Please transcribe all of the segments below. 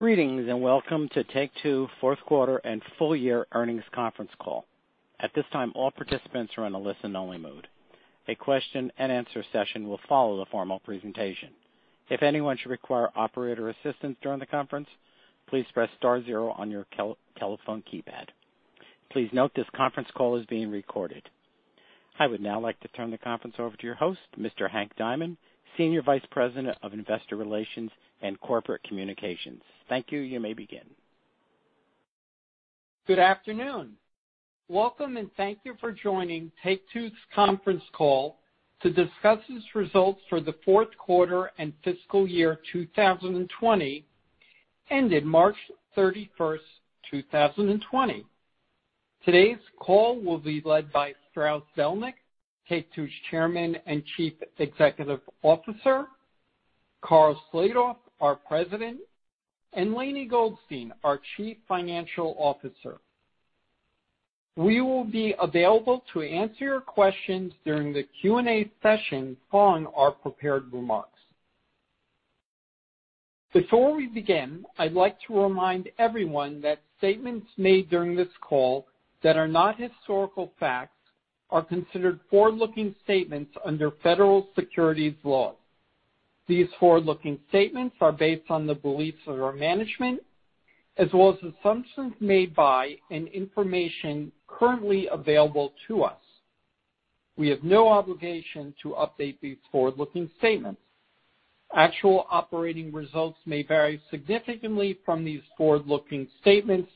Greetings, welcome to Take-Two fourth quarter and full year earnings conference call. At this time, all participants are in a listen only mode. A question and answer session will follow the formal presentation. If anyone should require operator assistance during the conference, please press star zero on your telephone keypad. Please note this conference call is being recorded. I would now like to turn the conference over to your host, Mr. Hank Diamond, Senior Vice President of Investor Relations and Corporate Communications. Thank you. You may begin. Good afternoon. Welcome and thank you for joining Take-Two's conference call to discuss its results for the fourth quarter and fiscal year 2020, ended March 31, 2020. Today's call will be led by Strauss Zelnick, Take-Two's Chairman and Chief Executive Officer, Karl Slatoff, our President, and Lainie Goldstein, our Chief Financial Officer. We will be available to answer your questions during the Q&A session following our prepared remarks. Before we begin, I'd like to remind everyone that statements made during this call that are not historical facts are considered forward-looking statements under Federal Securities law. These forward-looking statements are based on the beliefs of our management as well as assumptions made by and information currently available to us. We have no obligation to update these forward-looking statements. Actual operating results may vary significantly from these forward-looking statements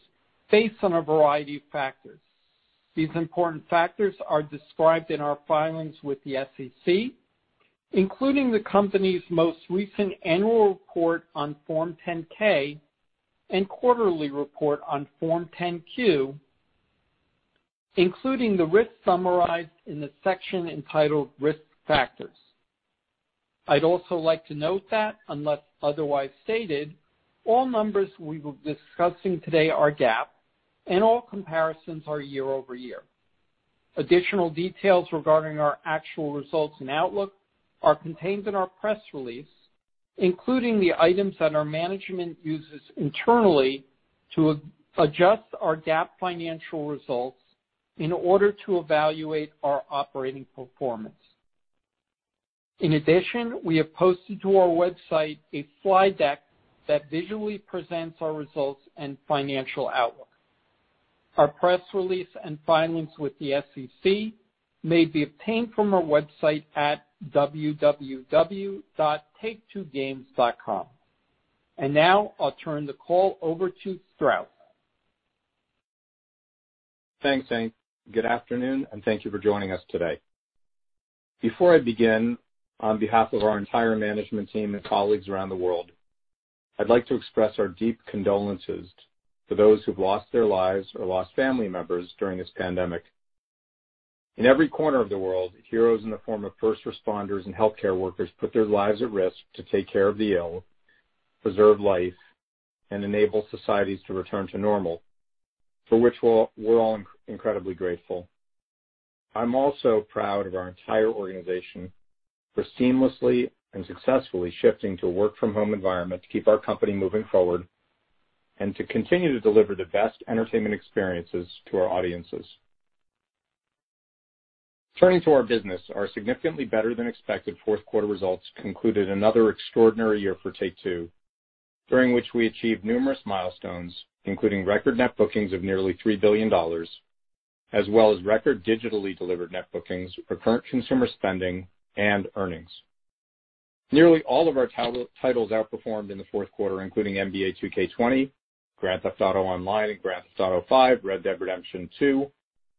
based on a variety of factors. These important factors are described in our filings with the SEC, including the company's most recent annual report on Form 10-K and quarterly report on Form 10-Q, including the risks summarized in the section entitled Risk Factors. I'd also like to note that unless otherwise stated, all numbers we will be discussing today are GAAP and all comparisons are year-over-year. Additional details regarding our actual results and outlook are contained in our press release, including the items that our management uses internally to adjust our GAAP financial results in order to evaluate our operating performance. In addition, we have posted to our website a slide deck that visually presents our results and financial outlook. Our press release and filings with the SEC may be obtained from our website at www.taketwogames.com. Now I'll turn the call over to Strauss. Thanks, Hank. Good afternoon. Thank you for joining us today. Before I begin, on behalf of our entire management team and colleagues around the world, I'd like to express our deep condolences to those who've lost their lives or lost family members during this pandemic. In every corner of the world, heroes in the form of first responders and healthcare workers put their lives at risk to take care of the ill, preserve life, and enable societies to return to normal, for which we're all incredibly grateful. I'm also proud of our entire organization for seamlessly and successfully shifting to a work from home environment to keep our company moving forward and to continue to deliver the best entertainment experiences to our audiences. Turning to our business, our significantly better than expected fourth quarter results concluded another extraordinary year for Take-Two, during which we achieved numerous milestones, including record net bookings of nearly $3 billion, as well as record digitally delivered net bookings, recurrent consumer spending and earnings. Nearly all of our titles outperformed in the fourth quarter, including NBA 2K20, Grand Theft Auto Online and Grand Theft Auto V, Red Dead Redemption 2,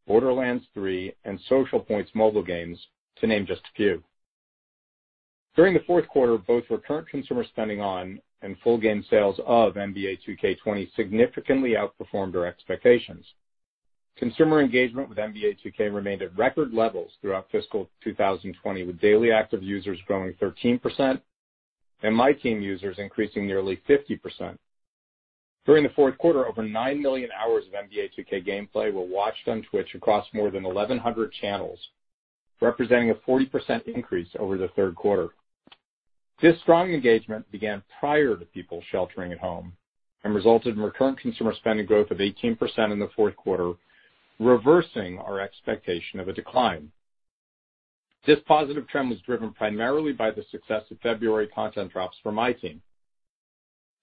Borderlands 3, and Social Point's mobile games, to name just a few. During the fourth quarter, both recurrent consumer spending on and full game sales of NBA 2K20 significantly outperformed our expectations. Consumer engagement with NBA 2K remained at record levels throughout fiscal 2020, with daily active users growing 13% and MyTEAM users increasing nearly 50%. During the fourth quarter, over 9 million hours of NBA 2K gameplay were watched on Twitch across more than 1,100 channels, representing a 40% increase over the third quarter. This strong engagement began prior to people sheltering at home and resulted in recurrent consumer spending growth of 18% in the fourth quarter, reversing our expectation of a decline. This positive trend was driven primarily by the success of February content drops for MyTEAM.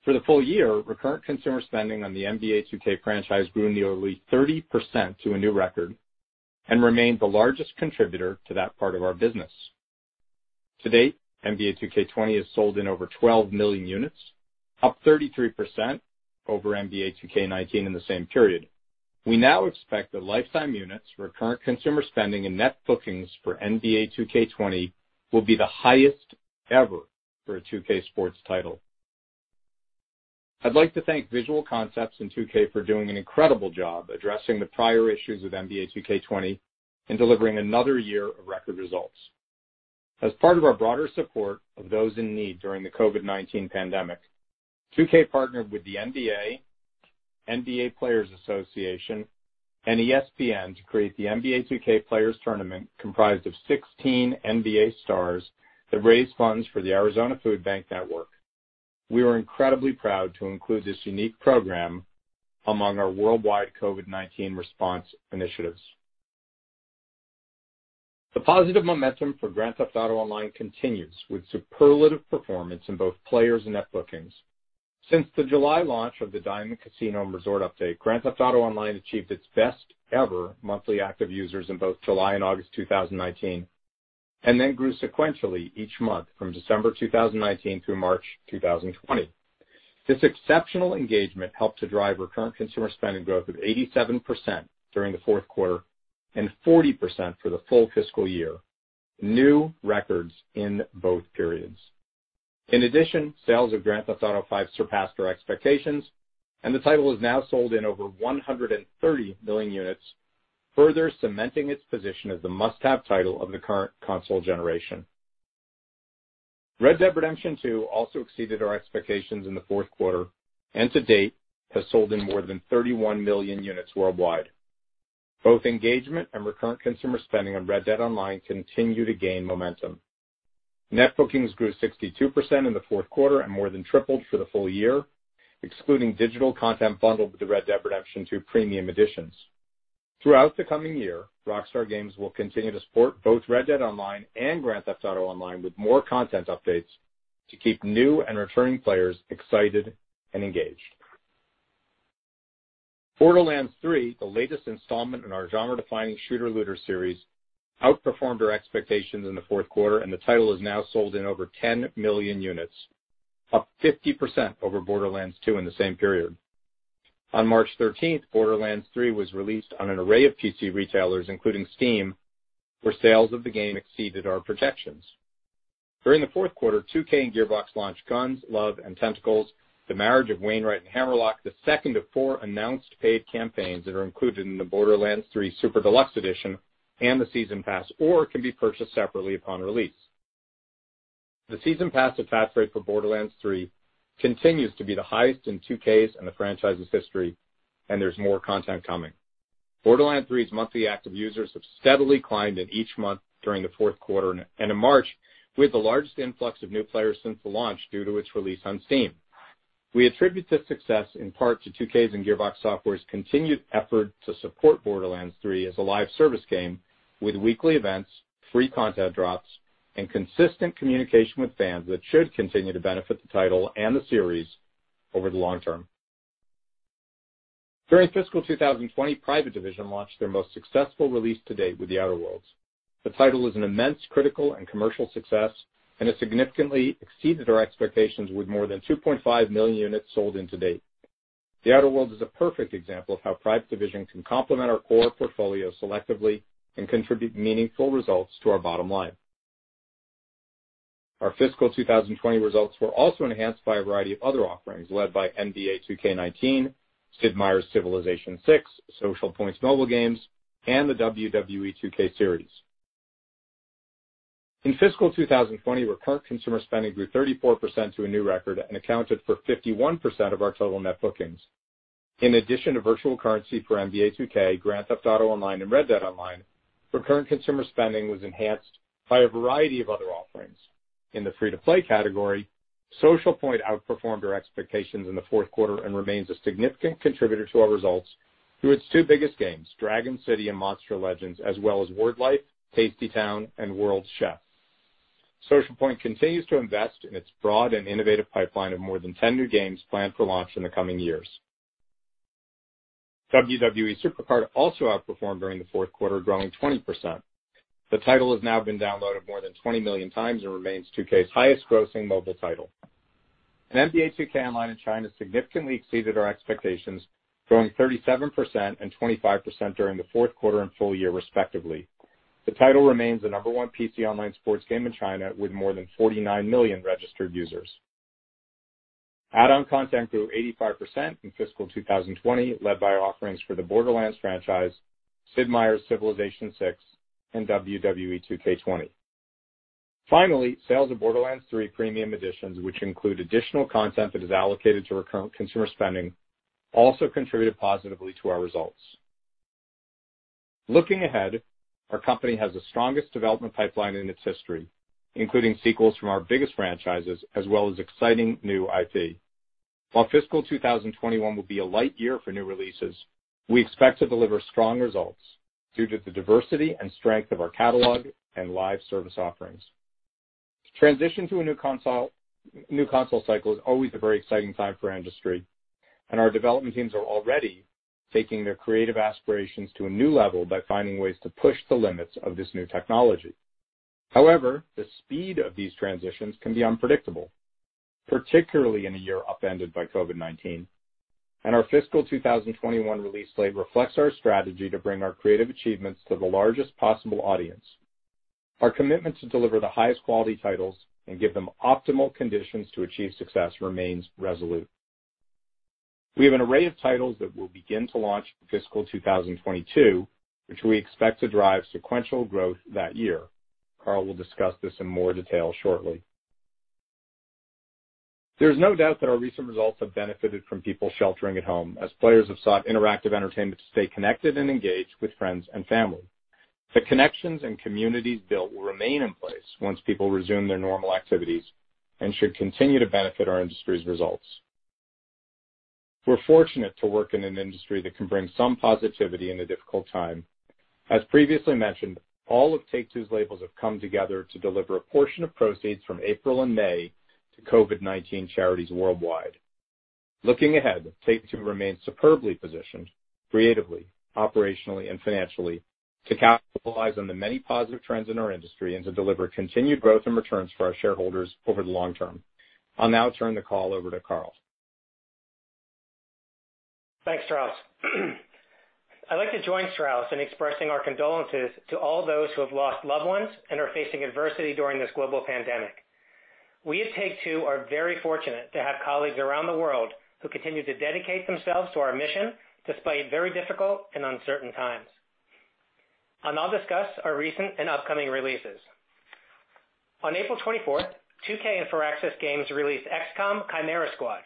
For the full year, recurrent consumer spending on the NBA 2K franchise grew nearly 30% to a new record and remained the largest contributor to that part of our business. To date, NBA 2K20 has sold in over 12 million units, up 33% over NBA 2K19 in the same period. We now expect that lifetime units, recurrent consumer spending, and net bookings for NBA 2K20 will be the highest ever for a 2K sports title. I’d like to thank Visual Concepts and 2K for doing an incredible job addressing the prior issues with NBA 2K20 and delivering another year of record results. As part of our broader support of those in need during the COVID-19 pandemic, 2K partnered with the NBA Players Association and ESPN to create the NBA 2K Players Tournament, comprised of 16 NBA stars that raised funds for the Arizona Food Bank Network. We are incredibly proud to include this unique program among our worldwide COVID-19 response initiatives. The positive momentum for Grand Theft Auto Online continues with superlative performance in both players and net bookings. Since the July launch of The Diamond Casino & Resort update, Grand Theft Auto Online achieved its best ever monthly active users in both July and August 2019, and then grew sequentially each month from December 2019 through March 2020. This exceptional engagement helped to drive Recurrent Consumer Spending growth of 87% during the fourth quarter and 40% for the full fiscal year, new records in both periods. In addition, sales of Grand Theft Auto V surpassed our expectations, and the title is now sold in over 130 million units, further cementing its position as the must-have title of the current console generation. Red Dead Redemption 2 also exceeded our expectations in the fourth quarter and to date has sold in more than 31 million units worldwide. Both engagement and Recurrent Consumer Spending on Red Dead Online continue to gain momentum. Net bookings grew 62% in the fourth quarter and more than tripled for the full year, excluding digital content bundled with the Red Dead Redemption 2 premium editions. Throughout the coming year, Rockstar Games will continue to support both Red Dead Online and Grand Theft Auto Online with more content updates to keep new and returning players excited and engaged. Borderlands 3, the latest installment in our genre-defining shooter looter series, outperformed our expectations in the fourth quarter, and the title is now sold in over 10 million units, up 50% over Borderlands 2 in the same period. On March 13th, Borderlands 3 was released on an array of PC retailers, including Steam, where sales of the game exceeded our projections. During the fourth quarter, 2K and Gearbox launched Guns, Love, and Tentacles: The Marriage of Wainwright & Hammerlock, the second of four announced paid campaigns that are included in the Borderlands 3 Super Deluxe Edition and the season pass, or can be purchased separately upon release. The season pass attach rate for Borderlands 3 continues to be the highest in 2K's and the franchise's history, and there's more content coming. Borderlands 3's monthly active users have steadily climbed in each month during the fourth quarter and in March, with the largest influx of new players since the launch due to its release on Steam. We attribute this success in part to 2K's and Gearbox Software's continued effort to support Borderlands 3 as a live service game with weekly events, free content drops, and consistent communication with fans that should continue to benefit the title and the series over the long term. During fiscal 2020, Private Division launched their most successful release to date with The Outer Worlds. The title is an immense critical and commercial success and has significantly exceeded our expectations with more than 2.5 million units sold in to date. The Outer Worlds is a perfect example of how Private Division can complement our core portfolio selectively and contribute meaningful results to our bottom line. Our fiscal 2020 results were also enhanced by a variety of other offerings led by NBA 2K19, Sid Meier's Civilization VI, Social Point's mobile games, and the WWE 2K series. In fiscal 2020, Recurrent Consumer Spending grew 34% to a new record and accounted for 51% of our total net bookings. In addition to virtual currency for NBA 2K, Grand Theft Auto Online, and Red Dead Online, Recurrent Consumer Spending was enhanced by a variety of other offerings. In the free-to-play category, Social Point outperformed our expectations in the fourth quarter and remains a significant contributor to our results through its two biggest games, Dragon City and Monster Legends, as well as Word Life, Tasty Town, and World Chef. Social Point continues to invest in its broad and innovative pipeline of more than 10 new games planned for launch in the coming years. WWE SuperCard also outperformed during the fourth quarter, growing 20%. The title has now been downloaded more than 20 million times and remains 2K's highest grossing mobile title. NBA 2K Online in China significantly exceeded our expectations, growing 37% and 25% during the fourth quarter and full year respectively. The title remains the number one PC online sports game in China with more than 49 million registered users. Add-on content grew 85% in fiscal 2020, led by offerings for the Borderlands franchise, Sid Meier's Civilization VI, and WWE 2K20. Finally, sales of Borderlands 3 premium editions, which include additional content that is allocated to recurrent consumer spending, also contributed positively to our results. Looking ahead, our company has the strongest development pipeline in its history, including sequels from our biggest franchises as well as exciting new IP. While fiscal 2021 will be a light year for new releases, we expect to deliver strong results due to the diversity and strength of our catalog and live service offerings. Transition to a new console cycle is always a very exciting time for our industry, and our development teams are already taking their creative aspirations to a new level by finding ways to push the limits of this new technology. However, the speed of these transitions can be unpredictable, particularly in a year upended by COVID-19, and our fiscal 2021 release slate reflects our strategy to bring our creative achievements to the largest possible audience. Our commitment to deliver the highest quality titles and give them optimal conditions to achieve success remains resolute. We have an array of titles that we'll begin to launch in fiscal 2022, which we expect to drive sequential growth that year. Karl will discuss this in more detail shortly. There's no doubt that our recent results have benefited from people sheltering at home as players have sought interactive entertainment to stay connected and engaged with friends and family. The connections and communities built will remain in place once people resume their normal activities and should continue to benefit our industry's results. We're fortunate to work in an industry that can bring some positivity in a difficult time. As previously mentioned, all of Take-Two's labels have come together to deliver a portion of proceeds from April and May to COVID-19 charities worldwide. Looking ahead, Take-Two remains superbly positioned creatively, operationally, and financially to capitalize on the many positive trends in our industry and to deliver continued growth and returns for our shareholders over the long term. I'll now turn the call over to Karl. Thanks, Strauss. I'd like to join Strauss in expressing our condolences to all those who have lost loved ones and are facing adversity during this global pandemic. We at Take-Two are very fortunate to have colleagues around the world who continue to dedicate themselves to our mission despite very difficult and uncertain times. I'll now discuss our recent and upcoming releases. On April 24th, 2K and Firaxis Games released XCOM: Chimera Squad,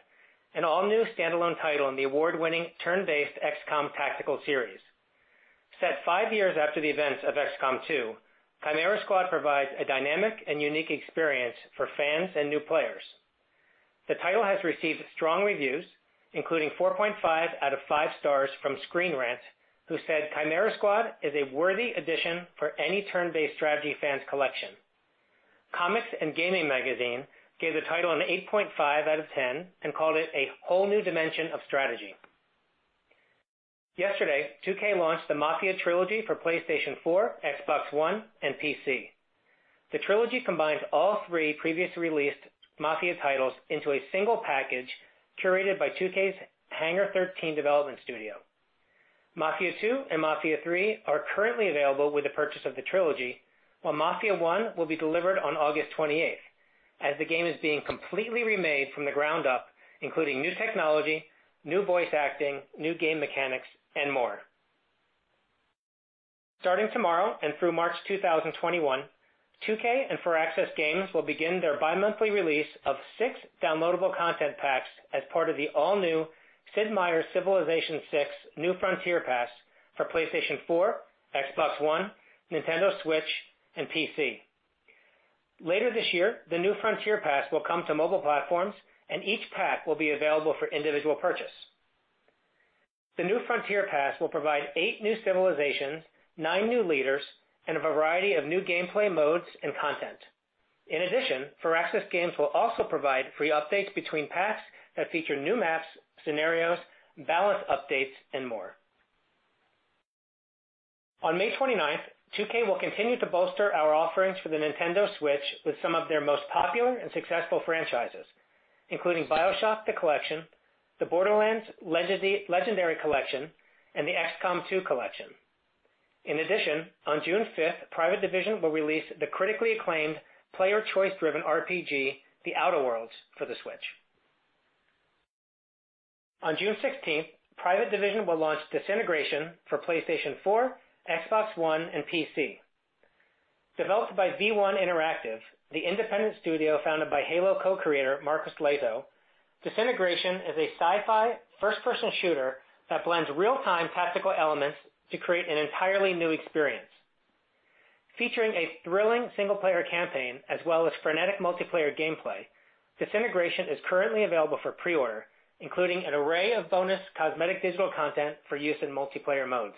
an all-new standalone title in the award-winning turn-based XCOM tactical series. Set five years after the events of XCOM 2, Chimera Squad provides a dynamic and unique experience for fans and new players. The title has received strong reviews, including 4.5 out of five stars from Screen Rant, who said, "Chimera Squad is a worthy addition for any turn-based strategy fan's collection." Comics and Gaming Magazine gave the title an 8.5 out of 10 and called it a whole new dimension of strategy. Yesterday, 2K launched the Mafia: Trilogy for PlayStation 4, Xbox One, and PC. The trilogy combines all three previously released Mafia titles into a single package curated by 2K's Hangar 13 development studio. Mafia II and Mafia III are currently available with the purchase of the trilogy, while Mafia 1 will be delivered on August 28th, as the game is being completely remade from the ground up, including new technology, new voice acting, new game mechanics, and more. Starting tomorrow and through March 2021, 2K and Firaxis Games will begin their bimonthly release of six downloadable content packs as part of the all-new Sid Meier's Civilization VI: New Frontier Pass for PlayStation 4, Xbox One, Nintendo Switch, and PC. Later this year, the New Frontier Pass will come to mobile platforms, and each pack will be available for individual purchase. The New Frontier Pass will provide eight new civilizations, nine new leaders, and a variety of new gameplay modes and content. In addition, Firaxis Games will also provide free updates between packs that feature new maps, scenarios, balance updates, and more. On May 29th, 2K will continue to bolster our offerings for the Nintendo Switch with some of their most popular and successful franchises, including BioShock: The Collection, the Borderlands Legendary Collection, and the XCOM 2 Collection. In addition, on June fifth, Private Division will release the critically acclaimed player choice-driven RPG, The Outer Worlds, for the Switch. On June 16th, Private Division will launch Disintegration for PlayStation 4, Xbox One, and PC. Developed by V1 Interactive, the independent studio founded by Halo co-creator Marcus Lehto, Disintegration is a sci-fi first-person shooter that blends real-time tactical elements to create an entirely new experience. Featuring a thrilling single-player campaign as well as frenetic multiplayer gameplay, Disintegration is currently available for pre-order, including an array of bonus cosmetic digital content for use in multiplayer modes.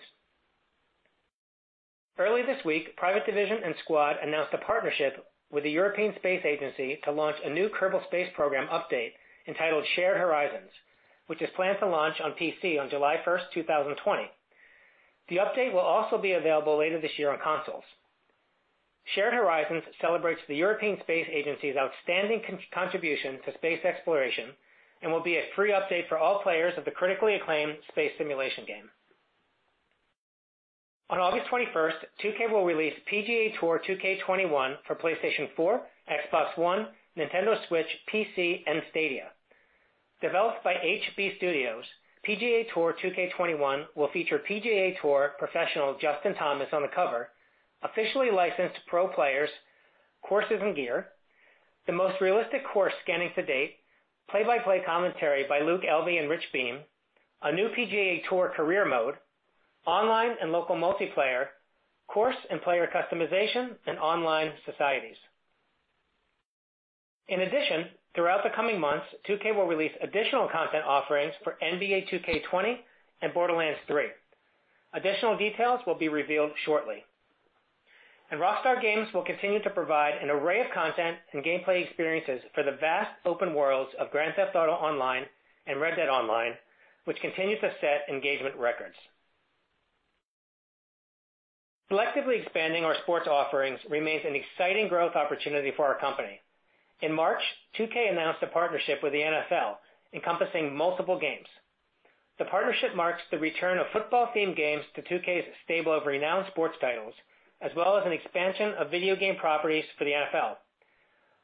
Early this week, Private Division and Squad announced a partnership with the European Space Agency to launch a new Kerbal Space Program update entitled Shared Horizons, which is planned to launch on PC on July first, 2020. The update will also be available later this year on consoles. Shared Horizons celebrates the European Space Agency's outstanding contribution to space exploration and will be a free update for all players of the critically acclaimed space simulation game. On August 21st, 2K will release PGA TOUR 2K21 for PlayStation 4, Xbox One, Nintendo Switch, PC, and Stadia. Developed by HB Studios, PGA TOUR 2K21 will feature PGA TOUR professional Justin Thomas on the cover, officially licensed pro players, courses, and gear, the most realistic course scanning to date, play-by-play commentary by Luke Elvy and Rich Beem, a new PGA TOUR career mode, online and local multiplayer, course and player customization, and online societies. In addition, throughout the coming months, 2K will release additional content offerings for NBA 2K20 and Borderlands 3. Additional details will be revealed shortly. Rockstar Games will continue to provide an array of content and gameplay experiences for the vast open worlds of Grand Theft Auto Online and Red Dead Online, which continues to set engagement records. Selectively expanding our sports offerings remains an exciting growth opportunity for our company. In March, 2K announced a partnership with the NFL encompassing multiple games. The partnership marks the return of football theme games to 2K's stable of renowned sports titles, as well as an expansion of video game properties for the NFL.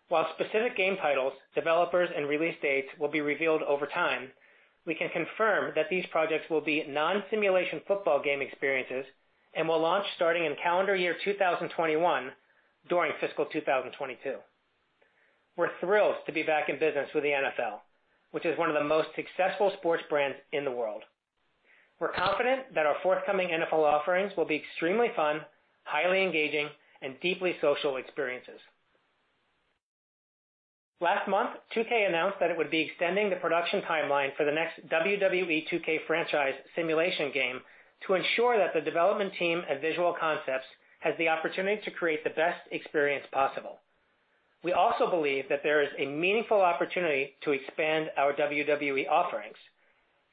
While specific game titles, developers, and release dates will be revealed over time. We can confirm that these projects will be non-simulation football game experiences and will launch starting in calendar year 2021 during fiscal 2022. We're thrilled to be back in business with the NFL, which is one of the most successful sports brands in the world. We're confident that our forthcoming NFL offerings will be extremely fun, highly engaging, and deeply social experiences. Last month, 2K announced that it would be extending the production timeline for the next WWE 2K franchise simulation game to ensure that the development team at Visual Concepts has the opportunity to create the best experience possible. We also believe that there is a meaningful opportunity to expand our WWE offerings.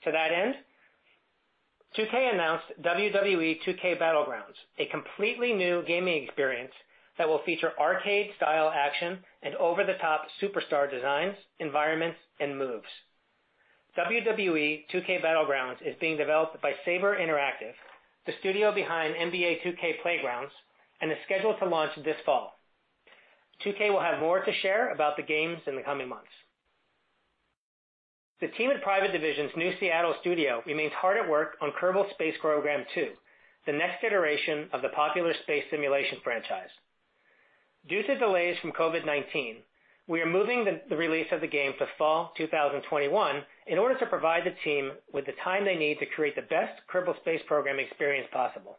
To that end, 2K announced WWE 2K Battlegrounds, a completely new gaming experience that will feature arcade-style action and over-the-top superstar designs, environments, and moves. WWE 2K Battlegrounds is being developed by Saber Interactive, the studio behind NBA 2K Playgrounds, and is scheduled to launch this fall. 2K will have more to share about the games in the coming months. The team at Private Division's New Seattle studio remains hard at work on Kerbal Space Program 2, the next iteration of the popular space simulation franchise. Due to delays from COVID-19, we are moving the release of the game to fall 2021 in order to provide the team with the time they need to create the best Kerbal Space Program experience possible.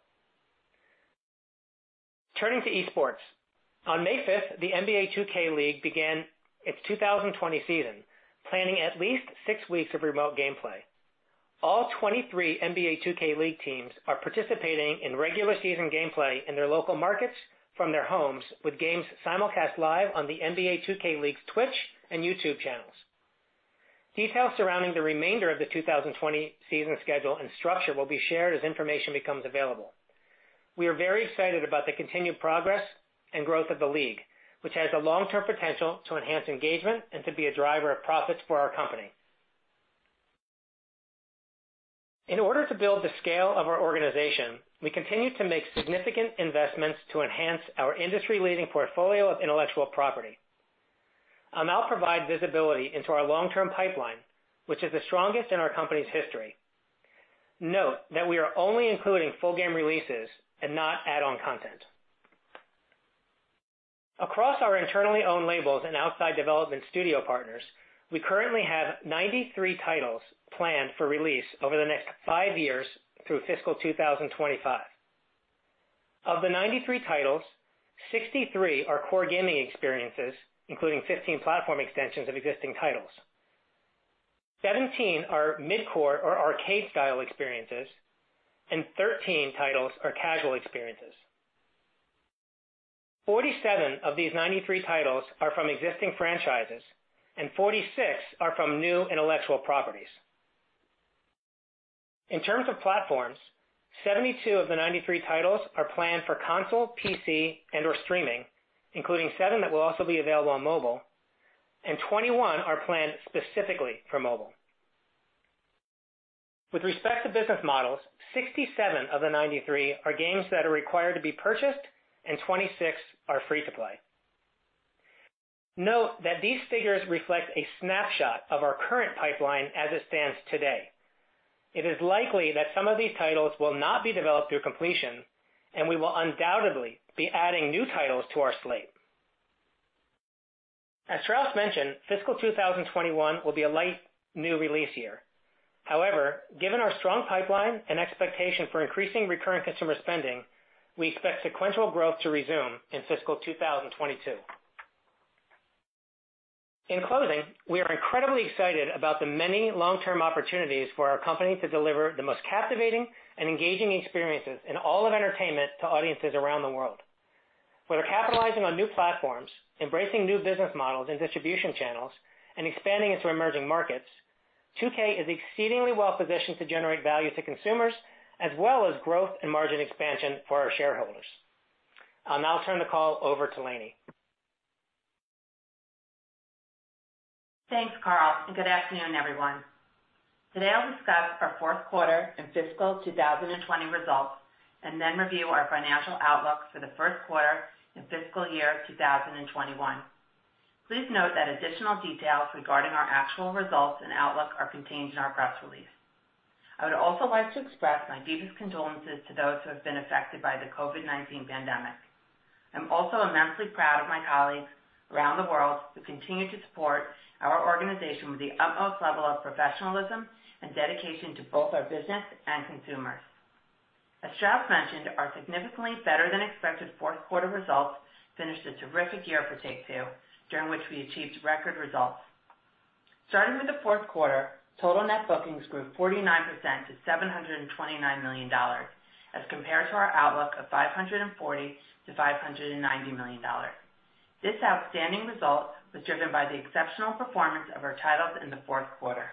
Turning to esports. On May 5th, the NBA 2K League began its 2020 season, planning at least six weeks of remote gameplay. All 23 NBA 2K League teams are participating in regular season gameplay in their local markets from their homes, with games simulcast live on the NBA 2K League Twitch and YouTube channels. Details surrounding the remainder of the 2020 season schedule and structure will be shared as information becomes available. We are very excited about the continued progress and growth of the league, which has a long-term potential to enhance engagement and to be a driver of profits for our company. In order to build the scale of our organization, we continue to make significant investments to enhance our industry-leading portfolio of intellectual property. I'll now provide visibility into our long-term pipeline, which is the strongest in our company's history. Note that we are only including full game releases and not add-on content. Across our internally owned labels and outside development studio partners, we currently have 93 titles planned for release over the next five years through FY 2025. Of the 93 titles, 63 are core gaming experiences, including 15 platform extensions of existing titles. 17 are mid-core or arcade-style experiences, and 13 titles are casual experiences. 47 of these 93 titles are from existing franchises, and 46 are from new intellectual properties. In terms of platforms, 72 of the 93 titles are planned for console, PC, and/or streaming, including seven that will also be available on mobile, and 21 are planned specifically for mobile. With respect to business models, 67 of the 93 are games that are required to be purchased, and 26 are free to play. Note that these figures reflect a snapshot of our current pipeline as it stands today. It is likely that some of these titles will not be developed through completion, and we will undoubtedly be adding new titles to our slate. As Strauss mentioned, fiscal 2021 will be a light new release year. However, given our strong pipeline and expectation for increasing recurrent consumer spending, we expect sequential growth to resume in fiscal 2022. In closing, we are incredibly excited about the many long-term opportunities for our company to deliver the most captivating and engaging experiences in all of entertainment to audiences around the world. Whether capitalizing on new platforms, embracing new business models and distribution channels, and expanding into emerging markets, 2K is exceedingly well positioned to generate value to consumers, as well as growth and margin expansion for our shareholders. I'll now turn the call over to Lainie. Thanks, Karl. Good afternoon, everyone. Today, I'll discuss our fourth quarter and fiscal 2020 results, then review our financial outlook for the first quarter and fiscal year 2021. Please note that additional details regarding our actual results and outlook are contained in our press release. I would also like to express my deepest condolences to those who have been affected by the COVID-19 pandemic. I'm also immensely proud of my colleagues around the world who continue to support our organization with the utmost level of professionalism and dedication to both our business and consumers. As Strauss mentioned, our significantly better than expected fourth quarter results finished a terrific year for Take-Two, during which we achieved record results. Starting with the fourth quarter, total net bookings grew 49% to $729 million as compared to our outlook of $540 million-$590 million. This outstanding result was driven by the exceptional performance of our titles in the fourth quarter.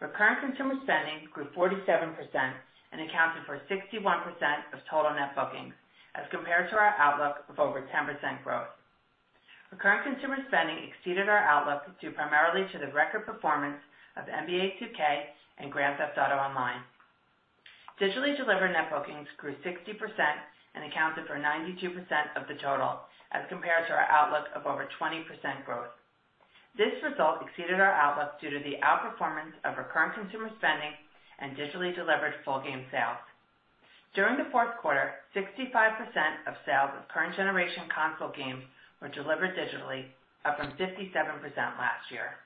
Recurrent consumer spending grew 47% and accounted for 61% of total net bookings as compared to our outlook of over 10% growth. Recurrent consumer spending exceeded our outlook due primarily to the record performance of NBA 2K and Grand Theft Auto Online. Digitally delivered net bookings grew 60% and accounted for 92% of the total as compared to our outlook of over 20% growth. This result exceeded our outlook due to the outperformance of Recurrent consumer spending and digitally delivered full game sales. During the fourth quarter, 65% of sales of current generation console games were delivered digitally, up from 57% last year.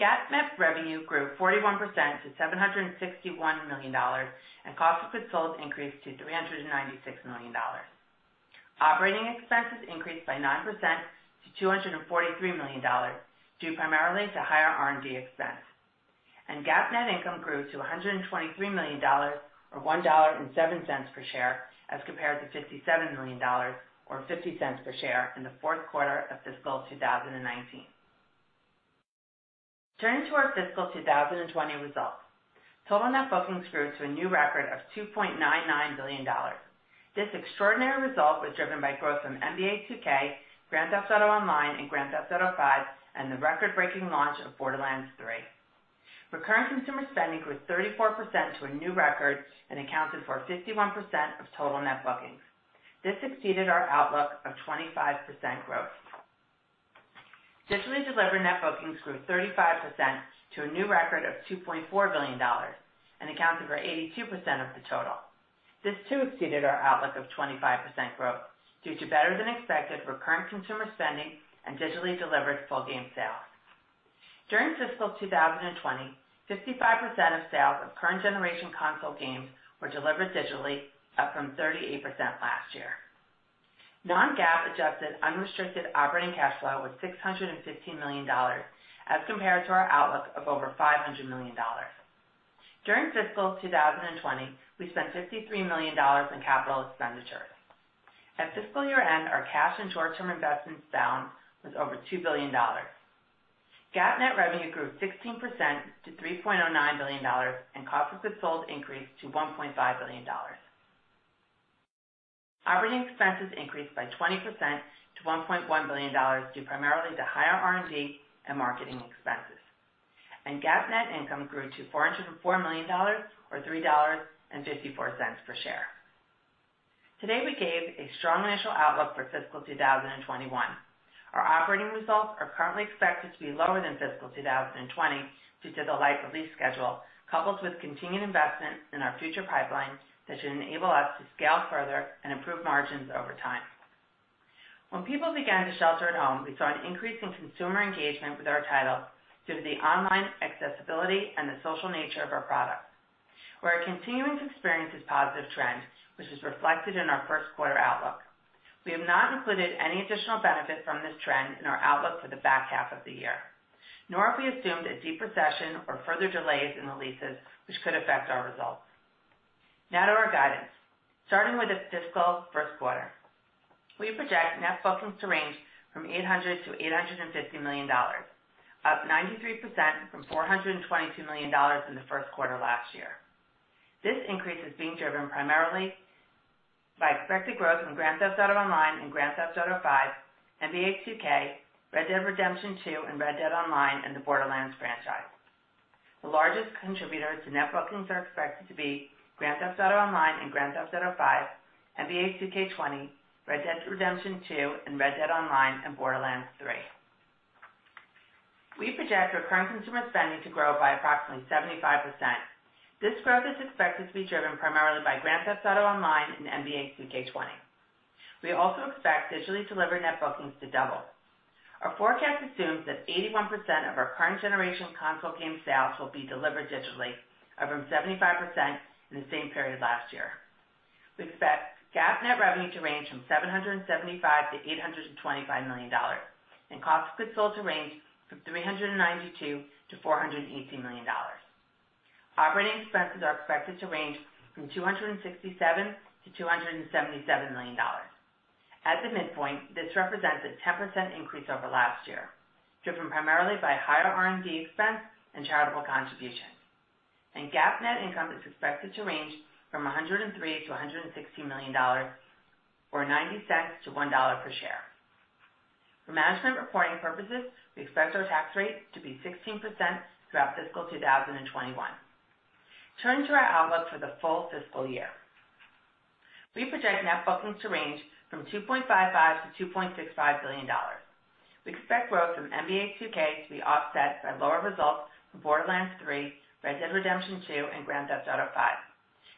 GAAP net revenue grew 41% to $761 million, and cost of goods sold increased to $396 million. Operating expenses increased by 9% to $243 million, due primarily to higher R&D expense. GAAP net income grew to $123 million, or $1.07 per share, as compared to $57 million or $0.50 per share in the fourth quarter of fiscal 2019. Turning to our fiscal 2020 results. Total net bookings grew to a new record of $2.99 billion. This extraordinary result was driven by growth from NBA 2K, Grand Theft Auto Online, and Grand Theft Auto V, and the record-breaking launch of Borderlands 3. Recurring Consumer Spending grew 34% to a new record and accounted for 51% of total net bookings. This exceeded our outlook of 25% growth. Digitally delivered net bookings grew 35% to a new record of $2.4 billion and accounted for 82% of the total. This too exceeded our outlook of 25% growth due to better than expected Recurring Consumer Spending and digitally delivered full game sales. During fiscal 2020, 55% of sales of current generation console games were delivered digitally, up from 38% last year. Non-GAAP adjusted unrestricted operating cash flow was $615 million as compared to our outlook of over $500 million. During fiscal 2020, we spent $53 million in capital expenditures. At fiscal year-end, our cash and short-term investments [down] was over $2 billion. GAAP net revenue grew 16% to $3.09 billion, and cost of goods sold increased to $1.5 billion. Operating expenses increased by 20% to $1.1 billion due primarily to higher R&D and marketing expenses. GAAP net income grew to $404 million, or $3.54 per share. Today, we gave a strong initial outlook for fiscal 2021. Our operating results are currently expected to be lower than fiscal 2020 due to the light release schedule, coupled with continued investment in our future pipeline that should enable us to scale further and improve margins over time. When people began to shelter at home, we saw an increase in consumer engagement with our titles due to the online accessibility and the social nature of our product. We are continuing to experience this positive trend, which is reflected in our first quarter outlook. We have not included any additional benefit from this trend in our outlook for the back half of the year, nor have we assumed a deep recession or further delays in the releases, which could affect our results. To our guidance. Starting with the fiscal first quarter. We project net bookings to range from $800 million-$850 million, up 93% from $422 million in the first quarter last year. This increase is being driven primarily by expected growth in Grand Theft Auto Online and Grand Theft Auto V, NBA 2K, Red Dead Redemption 2 and Red Dead Online, and the Borderlands franchise. The largest contributors to net bookings are expected to be Grand Theft Auto Online and Grand Theft Auto V, NBA 2K20, Red Dead Redemption 2 and Red Dead Online, and Borderlands 3. We project Recurrent Consumer Spending to grow by approximately 75%. This growth is expected to be driven primarily by Grand Theft Auto Online and NBA 2K20. We also expect digitally delivered net bookings to double. Our forecast assumes that 81% of our current generation console game sales will be delivered digitally, up from 75% in the same period last year. We expect GAAP net revenue to range from $775 million-$825 million, and cost of goods sold to range from $392 million-$418 million. Operating expenses are expected to range from $267 million-$277 million. At the midpoint, this represents a 10% increase over last year, driven primarily by higher R&D expense and charitable contribution. GAAP net income is expected to range from $103 million-$116 million, or $0.90-$1 per share. For management reporting purposes, we expect our tax rate to be 16% throughout fiscal 2021. Turning to our outlook for the full fiscal year. We project net bookings to range from $2.55 billion-$2.65 billion. We expect growth from NBA 2K to be offset by lower results from Borderlands 3, Red Dead Redemption 2, and Grand Theft Auto V.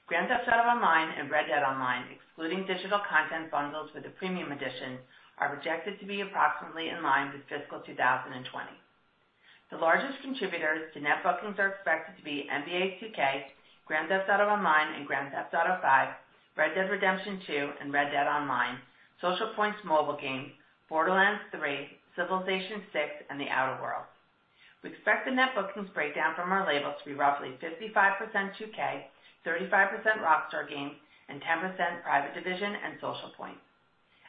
Grand Theft Auto Online and Red Dead Online, excluding digital content bundles with the premium edition, are projected to be approximately in line with fiscal 2020. The largest contributors to net bookings are expected to be NBA 2K, Grand Theft Auto Online and Grand Theft Auto V, Red Dead Redemption 2 and Red Dead Online, Social Point's mobile games, Borderlands 3, Civilization VI, and The Outer Worlds. We expect the net bookings breakdown from our labels to be roughly 55% 2K, 35% Rockstar Games, and 10% Private Division and Social Point.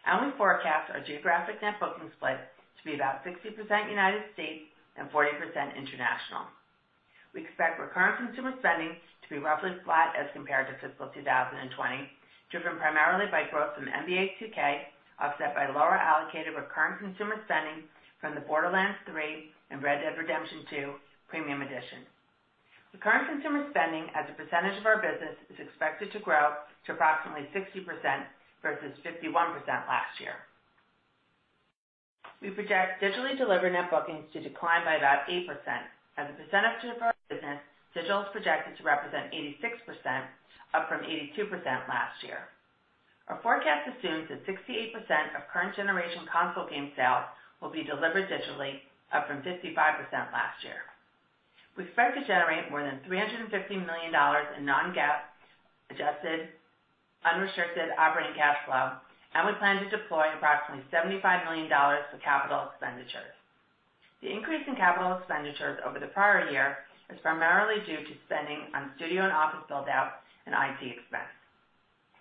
We forecast our geographic net booking split to be about 60% United States and 40% international. We expect recurring consumer spending to be roughly flat as compared to fiscal 2020, driven primarily by growth from NBA 2K, offset by lower allocated recurring consumer spending from the Borderlands 3 and Red Dead Redemption 2 premium edition. The current consumer spending as a percentage of our business is expected to grow to approximately 60% versus 51% last year. We project digitally delivered net bookings to decline by about 8%. As a percentage of our business, digital is projected to represent 86%, up from 82% last year. Our forecast assumes that 68% of current generation console game sales will be delivered digitally, up from 55% last year. We expect to generate more than $350 million in non-GAAP adjusted unrestricted operating cash flow, and we plan to deploy approximately $75 million for capital expenditures. The increase in capital expenditures over the prior year is primarily due to spending on studio and office build-out and IT expense.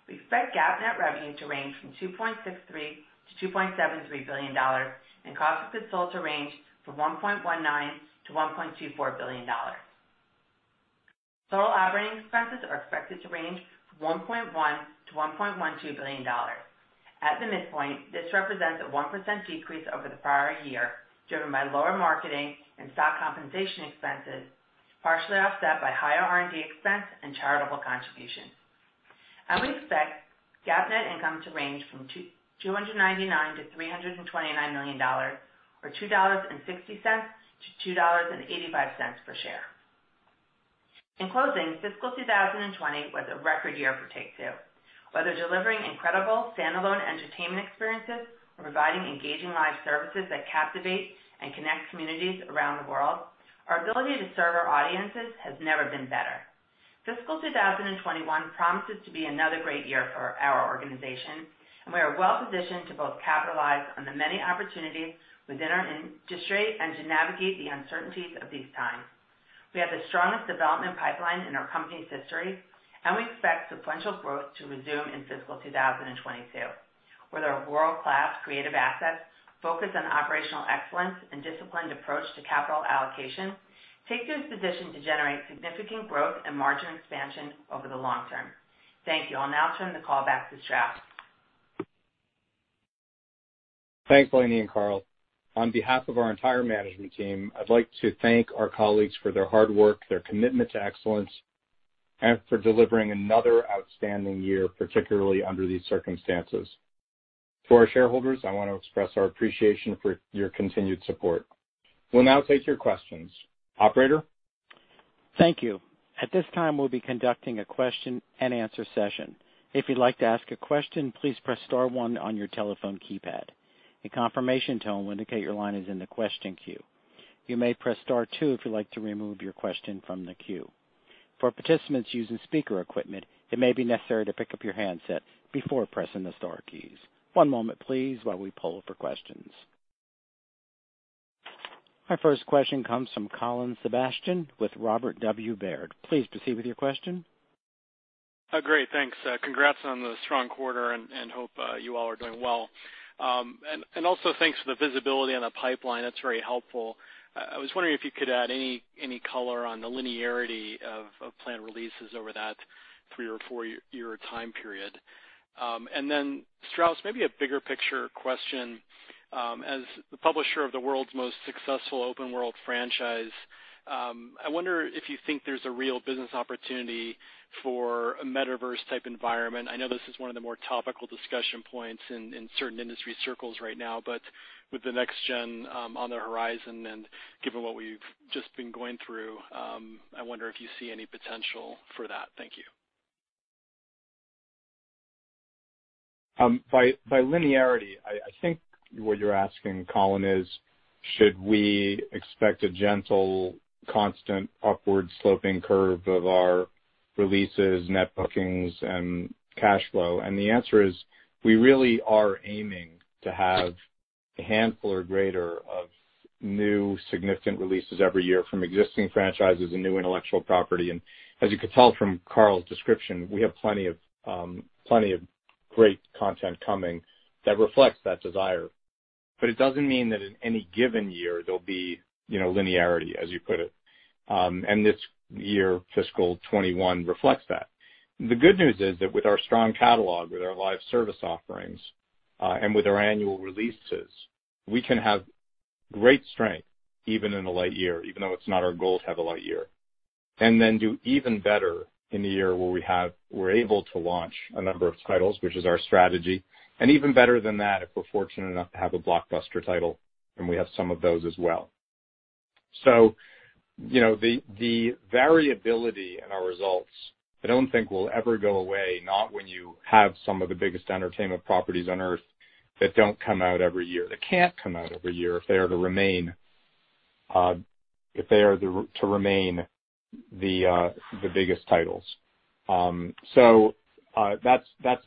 We expect GAAP net revenue to range from $2.63 billion-$2.73 billion and cost of goods sold to range from $1.19 billion-$1.24 billion. Total operating expenses are expected to range from $1.1 billion-$1.12 billion. At the midpoint, this represents a 1% decrease over the prior year, driven by lower marketing and stock compensation expenses, partially offset by higher R&D expense and charitable contributions. We expect GAAP net income to range from $299 million-$329 million or $2.60-$2.85 per share. In closing, fiscal 2020 was a record year for Take-Two. Whether delivering incredible standalone entertainment experiences or providing engaging live services that captivate and connect communities around the world, our ability to serve our audiences has never been better. Fiscal 2021 promises to be another great year for our organization, and we are well positioned to both capitalize on the many opportunities within our industry and to navigate the uncertainties of these times. We have the strongest development pipeline in our company's history, and we expect sequential growth to resume in fiscal 2022. With our world-class creative assets, focus on operational excellence, and disciplined approach to capital allocation, Take-Two is positioned to generate significant growth and margin expansion over the long term. Thank you. I'll now turn the call back to Strauss. Thanks, Lainie and Karl. On behalf of our entire management team, I'd like to thank our colleagues for their hard work, their commitment to excellence, and for delivering another outstanding year, particularly under these circumstances. To our shareholders, I want to express our appreciation for your continued support. We'll now take your questions. Operator? Thank you. At this time, we'll be conducting a question and answer session. If you'd like to ask a question, please press star one on your telephone keypad. A confirmation tone will indicate your line is in the question queue. You may press star two if you'd like to remove your question from the queue. For participants using speaker equipment, it may be necessary to pick up your handset before pressing the star keys. One moment, please, while we poll for questions. Our first question comes from Colin Sebastian with Robert W. Baird. Please proceed with your question. Great. Thanks. Congrats on the strong quarter and hope you all are doing well. Also, thanks for the visibility on the pipeline. That's very helpful. I was wondering if you could add any color on the linearity of planned releases over that three or four-year time period. Then Strauss, maybe a bigger picture question. As the publisher of the world's most successful open world franchise, I wonder if you think there's a real business opportunity for a metaverse type environment. I know this is one of the more topical discussion points in certain industry circles right now, with the next gen on the horizon and given what we've just been going through, I wonder if you see any potential for that. Thank you. By linearity, I think what you're asking, Colin, is should we expect a gentle, constant upward sloping curve of our releases, net bookings, and cash flow? The answer is, we really are aiming to have a handful or greater of new significant releases every year from existing franchises and new intellectual property. As you could tell from Karl's description, we have plenty of great content coming that reflects that desire. It doesn't mean that in any given year, there'll be linearity, as you put it. This year, fiscal 2021 reflects that. The good news is that with our strong catalog, with our live service offerings, and with our annual releases, we can have great strength even in a light year, even though it's not our goal to have a light year, and then do even better in the year where we're able to launch a number of titles, which is our strategy. Even better than that, if we're fortunate enough to have a blockbuster title, and we have some of those as well. The variability in our results I don't think will ever go away, not when you have some of the biggest entertainment properties on Earth that don't come out every year, that can't come out every year if they are to remain the biggest titles. That's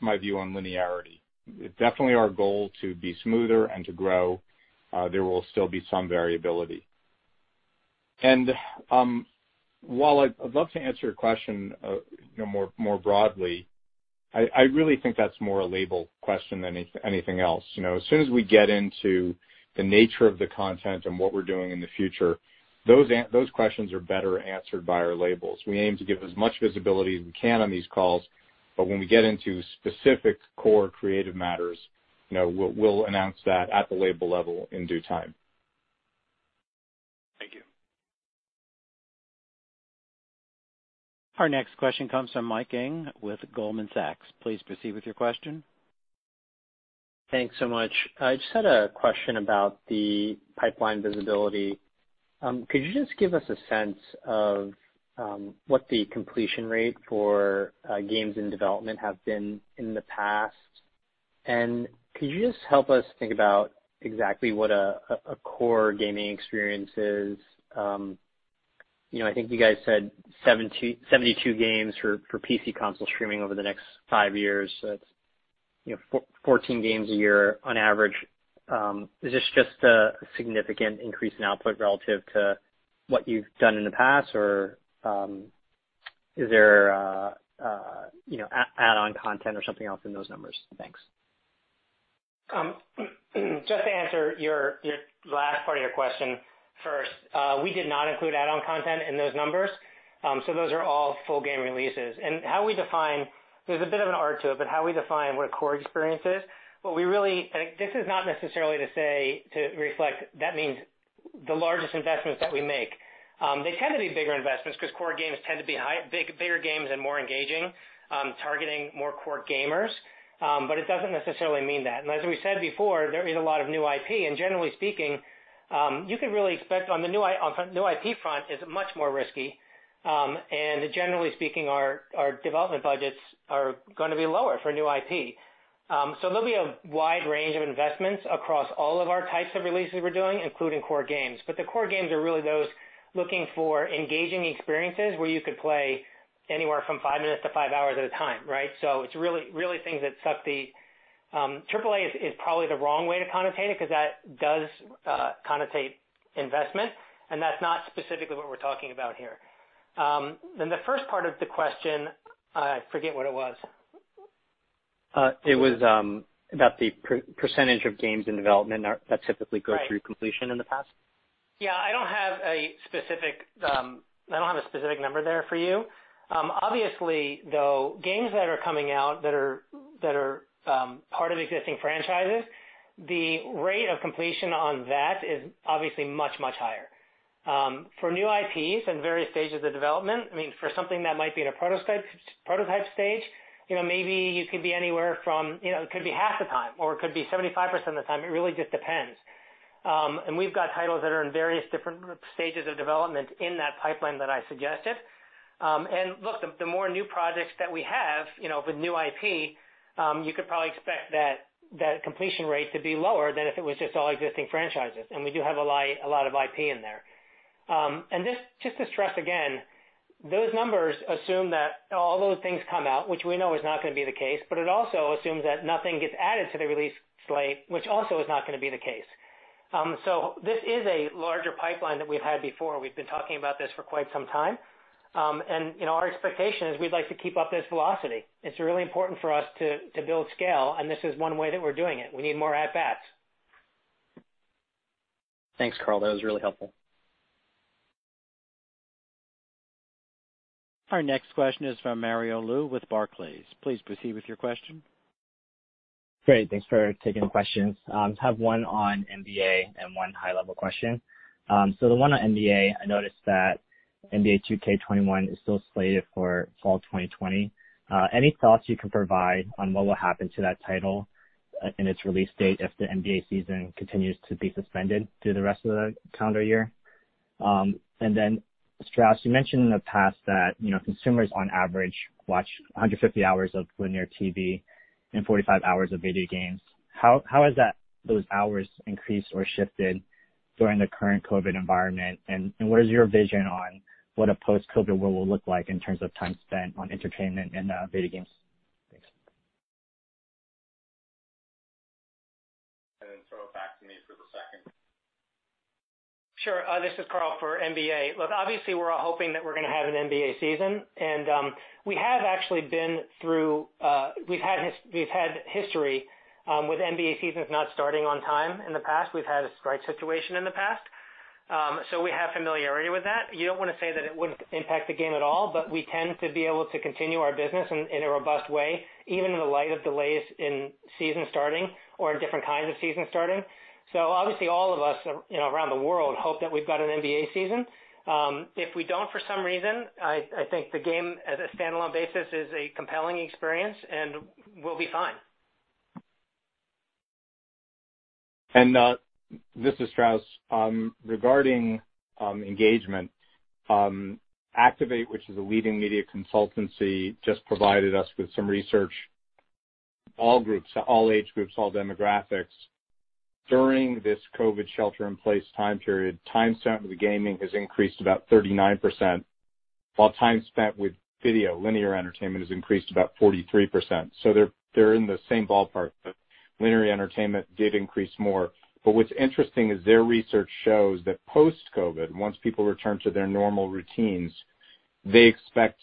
my view on linearity. It's definitely our goal to be smoother and to grow. There will still be some variability. While I'd love to answer your question more broadly, I really think that's more a label question than anything else. As soon as we get into the nature of the content and what we're doing in the future, those questions are better answered by our labels. We aim to give as much visibility as we can on these calls, but when we get into specific core creative matters, we'll announce that at the label level in due time. Thank you. Our next question comes from Mike Ng with Goldman Sachs. Please proceed with your question. Thanks so much. I just had a question about the pipeline visibility. Could you just give us a sense of what the completion rate for games in development have been in the past? Could you just help us think about exactly what a core gaming experience is? I think you guys said 72 games for PC console streaming over the next five years. That's 14 games a year on average. Is this just a significant increase in output relative to what you've done in the past, or is there add-on content or something else in those numbers? Thanks. Just to answer your last part of your question first. We did not include add-on content in those numbers. Those are all full game releases. There's a bit of an art to it, but how we define what a core experience is, this is not necessarily to reflect that means the largest investments that we make. They tend to be bigger investments because core games tend to be bigger games and more engaging, targeting more core gamers. It doesn't necessarily mean that. As we said before, there is a lot of new IP, and generally speaking, you could really expect on the new IP front is much more risky. Generally speaking, our development budgets are going to be lower for new IP. There'll be a wide range of investments across all of our types of releases we're doing, including core games. The core games are really those looking for engaging experiences where you could play anywhere from five minutes to five hours at a time, right? It's really things that AAA is probably the wrong way to connote it, because that does connote investment, and that's not specifically what we're talking about here. The first part of the question, I forget what it was. It was about the percentage of games in development that typically go through completion in the past. Yeah, I don't have a specific number there for you. Obviously, though, games that are coming out that are part of existing franchises, the rate of completion on that is obviously much, much higher. For new IPs in various stages of development, I mean, for something that might be in a prototype stage, maybe it could be half the time, or it could be 75% of the time. It really just depends. We've got titles that are in various different stages of development in that pipeline that I suggested. Look, the more new projects that we have with new IP, you could probably expect that completion rate to be lower than if it was just all existing franchises. We do have a lot of IP in there. Just to stress again, those numbers assume that all those things come out, which we know is not going to be the case, but it also assumes that nothing gets added to the release slate, which also is not going to be the case. This is a larger pipeline than we've had before. We've been talking about this for quite some time. Our expectation is we'd like to keep up this velocity. It's really important for us to build scale, and this is one way that we're doing it. We need more at-bats. Thanks, Karl. That was really helpful. Our next question is from Mario Lu with Barclays. Please proceed with your question. Great, thanks for taking the questions. Just have one on NBA and one high-level question. The one on NBA, I noticed that NBA 2K21 is still slated for fall 2020. Any thoughts you can provide on what will happen to that title and its release date if the NBA season continues to be suspended through the rest of the calendar year? Strauss, you mentioned in the past that consumers on average watch 150 hours of linear TV and 45 hours of video games. How has those hours increased or shifted during the current COVID environment, and what is your vision on what a post-COVID world will look like in terms of time spent on entertainment and video games? Thanks. Throw it back to me for the second. Sure. This is Karl for NBA. Obviously, we're all hoping that we're going to have an NBA season. We've had history with NBA seasons not starting on time in the past. We've had a strike situation in the past. We have familiarity with that. You don't want to say that it wouldn't impact the game at all, but we tend to be able to continue our business in a robust way, even in the light of delays in season starting or in different kinds of season starting. Obviously all of us around the world hope that we've got an NBA season. If we don't for some reason, I think the game as a standalone basis is a compelling experience and we'll be fine. This is Strauss. Regarding engagement, Activate, which is a leading media consultancy, just provided us with some research. All groups, all age groups, all demographics during this COVID shelter in place time period, time spent with gaming has increased about 39%, while time spent with video linear entertainment has increased about 43%. They're in the same ballpark, but linear entertainment did increase more. What's interesting is their research shows that post-COVID, once people return to their normal routines, they expect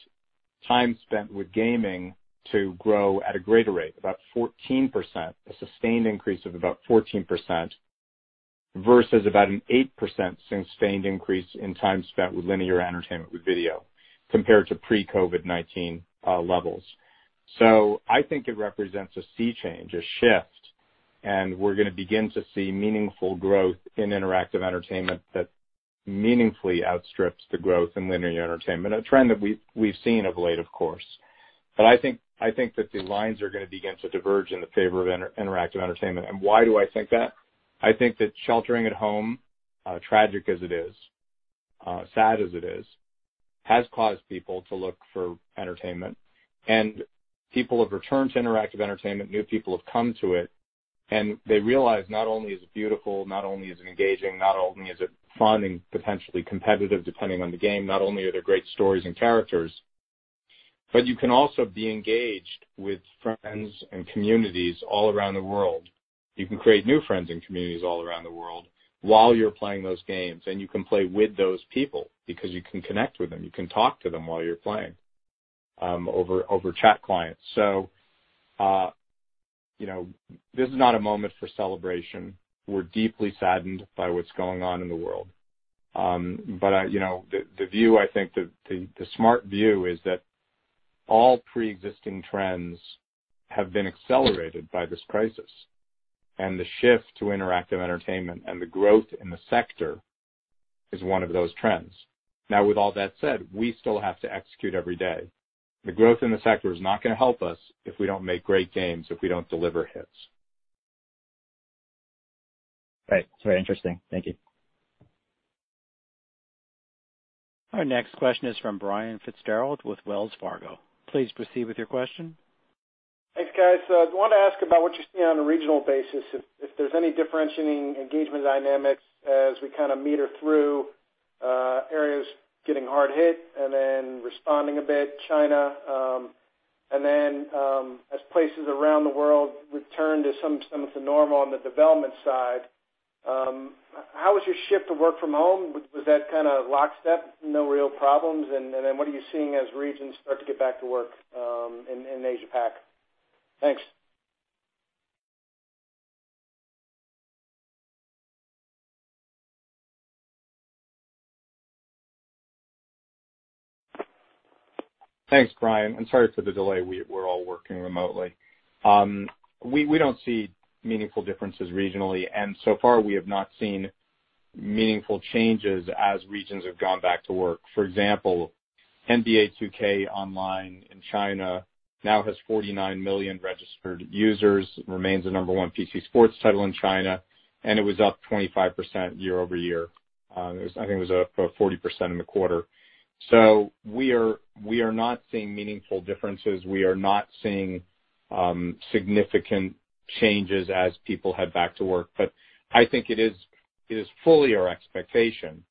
time spent with gaming to grow at a greater rate, about 14%, a sustained increase of about 14%, versus about an 8% sustained increase in time spent with linear entertainment with video compared to pre-COVID-19 levels. I think it represents a sea change, a shift. We're going to begin to see meaningful growth in interactive entertainment that meaningfully outstrips the growth in linear entertainment, a trend that we've seen of late, of course. I think that the lines are going to begin to diverge in the favor of interactive entertainment. Why do I think that? I think that sheltering at home, tragic as it is, sad as it is, has caused people to look for entertainment. People have returned to interactive entertainment. New people have come to it, and they realize not only is it beautiful, not only is it engaging, not only is it fun and potentially competitive, depending on the game, not only are there great stories and characters, but you can also be engaged with friends and communities all around the world. You can create new friends and communities all around the world while you're playing those games. You can play with those people because you can connect with them. You can talk to them while you're playing over chat clients. This is not a moment for celebration. We're deeply saddened by what's going on in the world. The smart view is that all preexisting trends have been accelerated by this crisis, and the shift to interactive entertainment and the growth in the sector is one of those trends. Now, with all that said, we still have to execute every day. The growth in the sector is not going to help us if we don't make great games, if we don't deliver hits. Right. It's very interesting. Thank you. Our next question is from Brian Fitzgerald with Wells Fargo. Please proceed with your question. Thanks, guys. I wanted to ask about what you're seeing on a regional basis, if there's any differentiating engagement dynamics as we kind of meter through areas getting hard hit then responding a bit, China. Then as places around the world return to some of the normal on the development side, how has your shift to work from home, was that kind of lockstep, no real problems? Then what are you seeing as regions start to get back to work in Asia Pac? Thanks. Thanks, Brian. Sorry for the delay. We're all working remotely. We don't see meaningful differences regionally, and so far we have not seen meaningful changes as regions have gone back to work. For example, NBA 2K Online in China now has 49 million registered users, remains the number 1 PC sports title in China, and it was up 25% year-over-year. I think it was up 40% in the quarter. We are not seeing meaningful differences. We are not seeing significant changes as people head back to work. I think it is fully our expectation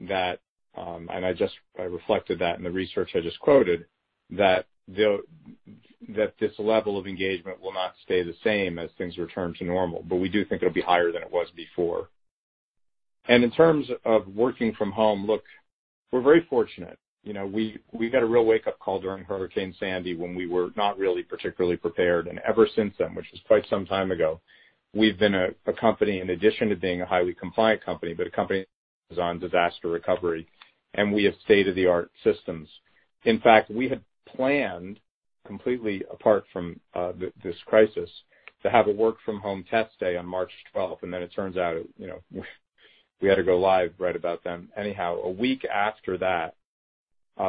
that, and I reflected that in the research I just quoted, that this level of engagement will not stay the same as things return to normal. We do think it'll be higher than it was before. In terms of working from home, look, we're very fortunate. We got a real wake-up call during Hurricane Sandy when we were not really particularly prepared. Ever since then, which was quite some time ago, we've been a company, in addition to being a highly compliant company, but a company that is on disaster recovery, and we have state-of-the-art systems. In fact, we had planned completely apart from this crisis to have a work from home test day on March 12th. Then it turns out we had to go live right about then anyhow. A week after that,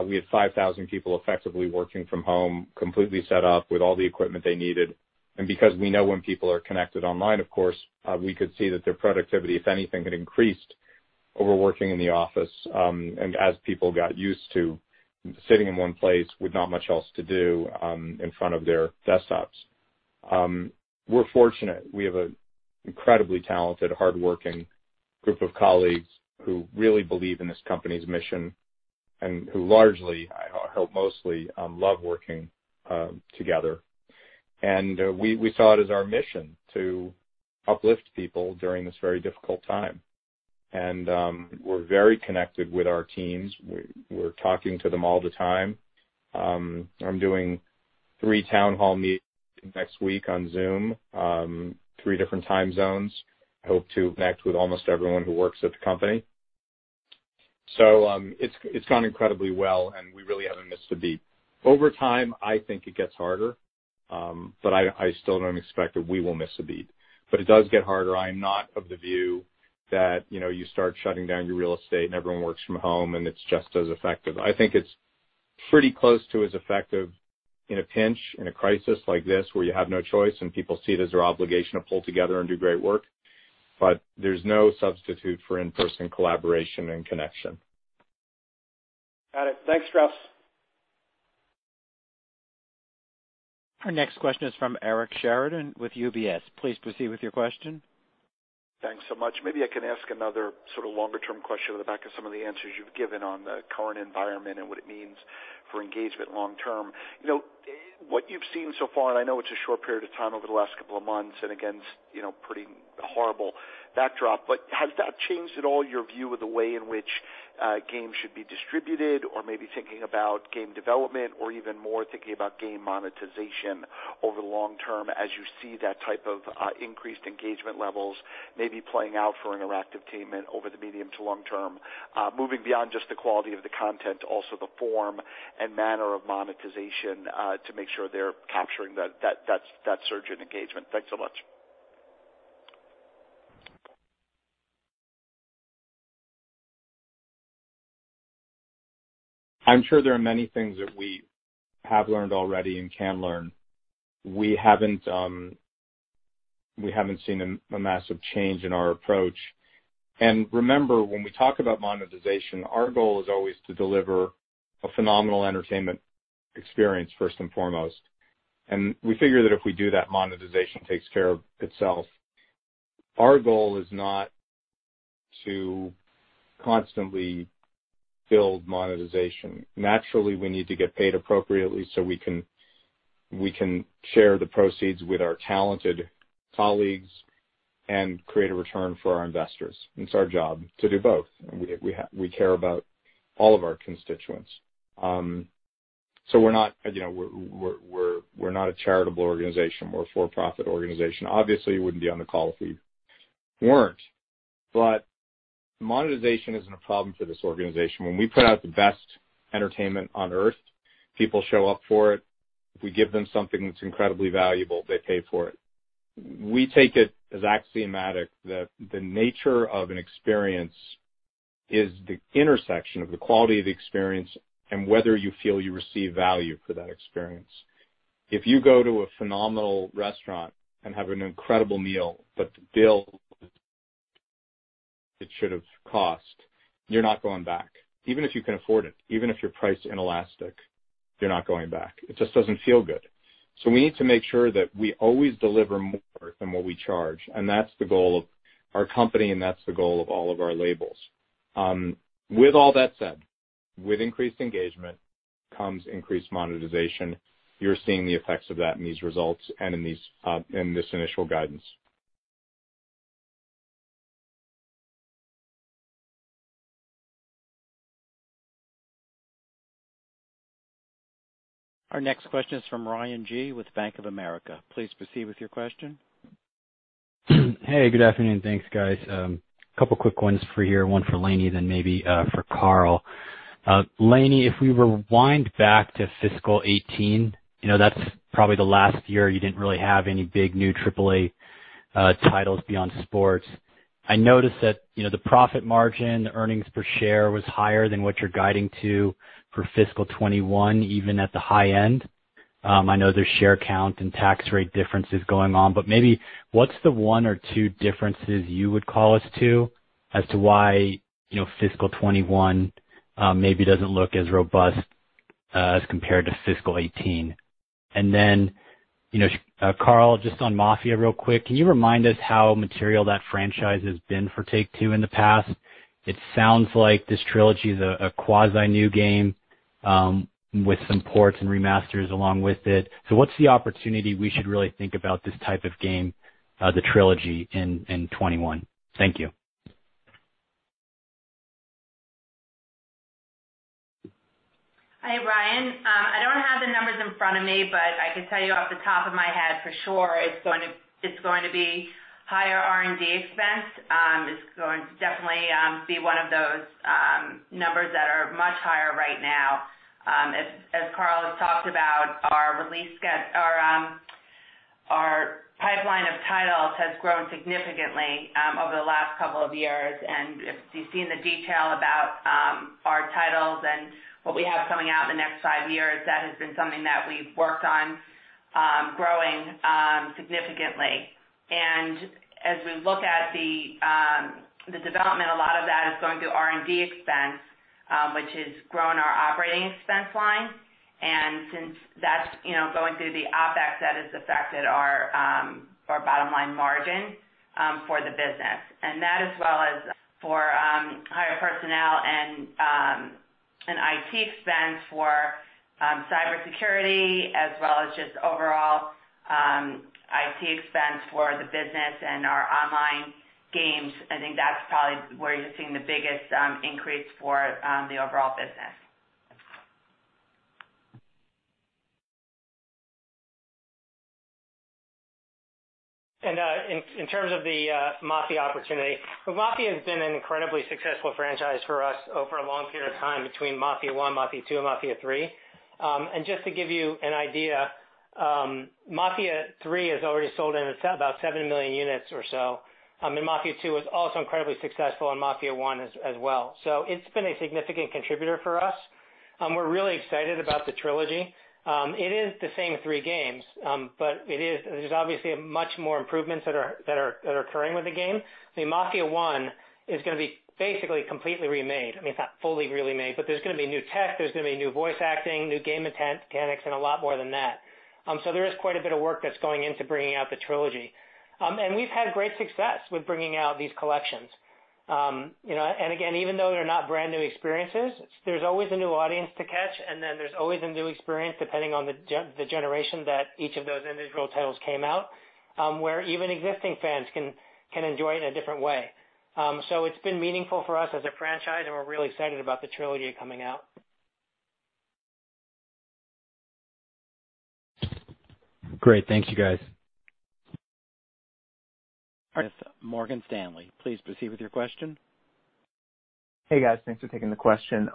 we had 5,000 people effectively working from home, completely set up with all the equipment they needed. Because we know when people are connected online, of course, we could see that their productivity, if anything, had increased over working in the office as people got used to sitting in one place with not much else to do in front of their desktops. We're fortunate. We have an incredibly talented, hardworking group of colleagues who really believe in this company's mission and who largely, I hope mostly love working together. We saw it as our mission to uplift people during this very difficult time. We're very connected with our teams. We're talking to them all the time. I'm doing three town hall meetings next week on Zoom. Three different time zones. I hope to connect with almost everyone who works at the company. It's gone incredibly well, and we really haven't missed a beat. Over time, I think it gets harder. I still don't expect that we will miss a beat. It does get harder. I am not of the view that you start shutting down your real estate and everyone works from home and it's just as effective. I think it's pretty close to as effective in a pinch, in a crisis like this where you have no choice and people see it as their obligation to pull together and do great work. There's no substitute for in-person collaboration and connection. Got it. Thanks, Strauss. Our next question is from Eric Sheridan with UBS. Please proceed with your question. Thanks so much. Maybe I can ask another sort of longer-term question on the back of some of the answers you've given on the current environment and what it means for engagement long term. What you've seen so far, and I know it's a short period of time over the last couple of months, and again, pretty horrible backdrop, but has that changed at all your view of the way in which games should be distributed? Maybe thinking about game development, or even more thinking about game monetization over the long term as you see that type of increased engagement levels maybe playing out for interactive entertainment over the medium to long term. Moving beyond just the quality of the content, also the form and manner of monetization to make sure they're capturing that surge in engagement. Thanks so much. I'm sure there are many things that we have learned already and can learn. We haven't seen a massive change in our approach. Remember, when we talk about monetization, our goal is always to deliver a phenomenal entertainment experience first and foremost. We figure that if we do that, monetization takes care of itself. Our goal is not to constantly build monetization. Naturally, we need to get paid appropriately so we can share the proceeds with our talented colleagues and create a return for our investors. It's our job to do both. We care about all of our constituents. We're not a charitable organization. We're a for-profit organization. Obviously, you wouldn't be on the call if we weren't. Monetization isn't a problem for this organization. When we put out the best entertainment on Earth, people show up for it. If we give them something that's incredibly valuable, they pay for it. We take it as axiomatic that the nature of an experience is the intersection of the quality of the experience and whether you feel you receive value for that experience. If you go to a phenomenal restaurant and have an incredible meal, but the bill it should've cost, you're not going back. Even if you can afford it, even if you're price inelastic, you're not going back. It just doesn't feel good. We need to make sure that we always deliver more than what we charge, and that's the goal of our company, and that's the goal of all of our labels. With all that said, with increased engagement comes increased monetization. You're seeing the effects of that in these results and in this initial guidance. Our next question is from Ryan Yi with Bank of America. Please proceed with your question. Hey, good afternoon. Thanks, guys. Couple quick ones for you, one for Lainie, then maybe for Karl. Lainie, if we rewind back to fiscal 2018, that's probably the last year you didn't really have any big new AAA titles beyond sports. I noticed that the profit margin, the earnings per share was higher than what you're guiding to for fiscal 2021, even at the high end. I know there's share count and tax rate differences going on. Maybe what's the one or two differences you would call us to as to why fiscal 2021 maybe doesn't look as robust as compared to fiscal 2018? Karl, just on Mafia real quick, can you remind us how material that franchise has been for Take-Two in the past? It sounds like this Trilogy is a quasi new game with some ports and remasters along with it. What's the opportunity we should really think about this type of game, the Trilogy, in 2021? Thank you. Hi, Ryan. I don't have the numbers in front of me, I can tell you off the top of my head, for sure it's going to be higher R&D expense. It's going to definitely be one of those numbers that are much higher right now. As Karl has talked about, our pipeline of titles has grown significantly over the last couple of years, if you've seen the detail about our titles and what we have coming out in the next five years, that has been something that we've worked on growing significantly. As we look at the development, a lot of that is going through R&D expense, which has grown our operating expense line. Since that's going through the OpEx, that has affected our bottom line margin for the business. That as well as for higher personnel and IT expense for cybersecurity, as well as just overall IT expense for the business and our online games. I think that's probably where you're seeing the biggest increase for the overall business. In terms of the Mafia opportunity, Mafia has been an incredibly successful franchise for us over a long period of time between Mafia 1, Mafia II, and Mafia III. Just to give you an idea, Mafia III has already sold about 7 million units or so. Mafia II was also incredibly successful and Mafia 1 as well. It's been a significant contributor for us. We're really excited about the trilogy. It is the same three games, but there's obviously much more improvements that are occurring with the game. Mafia 1 is going to be basically completely remade. I mean, it's not fully remade, but there's going to be new tech, there's going to be new voice acting, new game mechanics, and a lot more than that. There is quite a bit of work that's going into bringing out the trilogy. We've had great success with bringing out these collections. Again, even though they're not brand new experiences, there's always a new audience to catch, and then there's always a new experience, depending on the generation that each of those individual titles came out where even existing fans can enjoy it in a different way. It's been meaningful for us as a franchise, and we're really excited about the trilogy coming out. Great. Thank you, guys. With Morgan Stanley. Please proceed with your question. Hey, guys. Thanks for taking the question.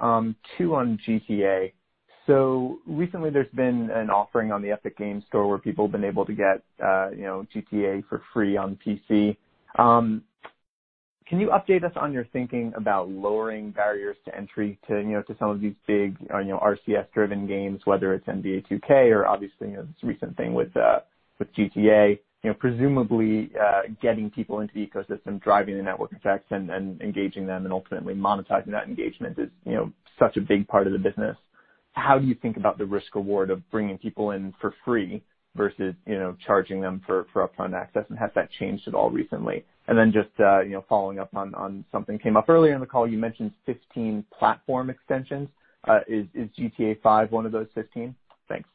Recently there's been an offering on the Epic Games Store where people have been able to get GTA for free on PC. Can you update us on your thinking about lowering barriers to entry to some of these big RCS driven games, whether it's NBA 2K or obviously, this recent thing with GTA. Presumably getting people into the ecosystem, driving the network effects and engaging them and ultimately monetizing that engagement is such a big part of the business. How do you think about the risk/reward of bringing people in for free versus charging them for upfront access? Has that changed at all recently? Just following up on something came up earlier in the call, you mentioned 15 platform extensions. Is GTA V one of those 15? Thanks.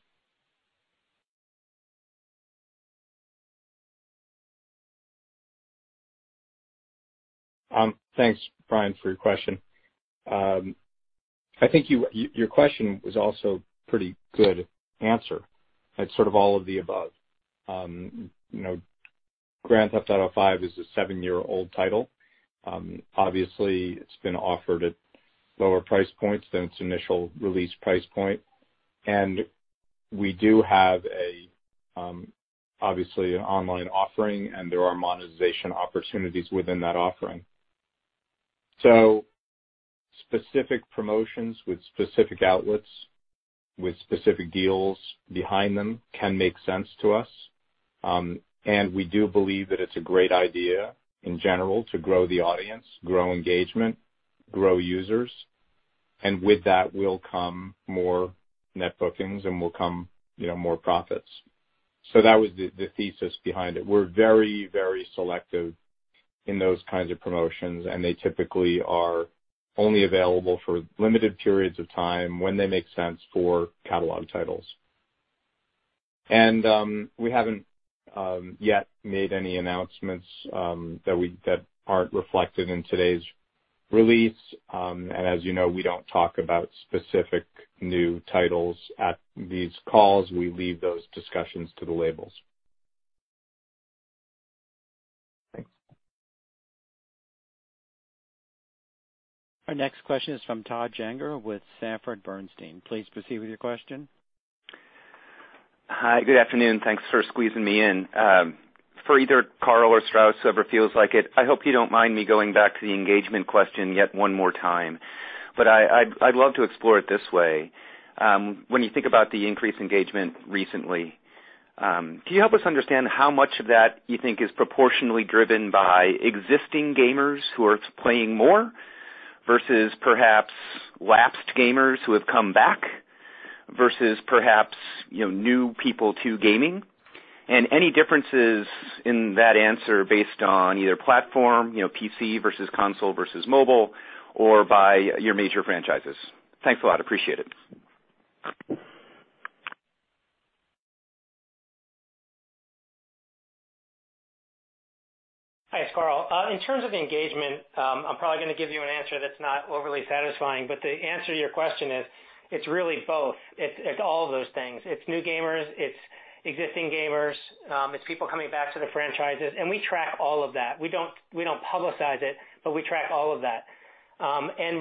Thanks, Brian, for your question. I think your question was also pretty good answer. It's sort of all of the above. Grand Theft Auto V is a seven-year-old title. Obviously, it's been offered at lower price points than its initial release price point. We do have obviously an online offering, and there are monetization opportunities within that offering. Specific promotions with specific outlets, with specific deals behind them can make sense to us. We do believe that it's a great idea in general to grow the audience, grow engagement, grow users, and with that will come more net bookings and will come more profits. That was the thesis behind it. We're very selective in those kinds of promotions, and they typically are only available for limited periods of time when they make sense for catalog titles. We haven't yet made any announcements that aren't reflected in today's release. As you know, we don't talk about specific new titles at these calls. We leave those discussions to the labels. Thanks. Our next question is from Todd Juenger with Sanford C. Bernstein. Please proceed with your question. Hi, good afternoon. Thanks for squeezing me in. For either Karl or Strauss, whoever feels like it, I hope you don't mind me going back to the engagement question yet one more time, but I'd love to explore it this way. When you think about the increased engagement recently, can you help us understand how much of that you think is proportionally driven by existing gamers who are playing more, versus perhaps lapsed gamers who have come back, versus perhaps new people to gaming? Any differences in that answer based on either platform, PC versus console versus mobile, or by your major franchises. Thanks a lot. Appreciate it. Hi, it's Karl. In terms of engagement, I'm probably going to give you an answer that's not overly satisfying, but the answer to your question is it's really both. It's all of those things. It's new gamers, it's existing gamers, it's people coming back to the franchises, and we track all of that. We don't publicize it, but we track all of that.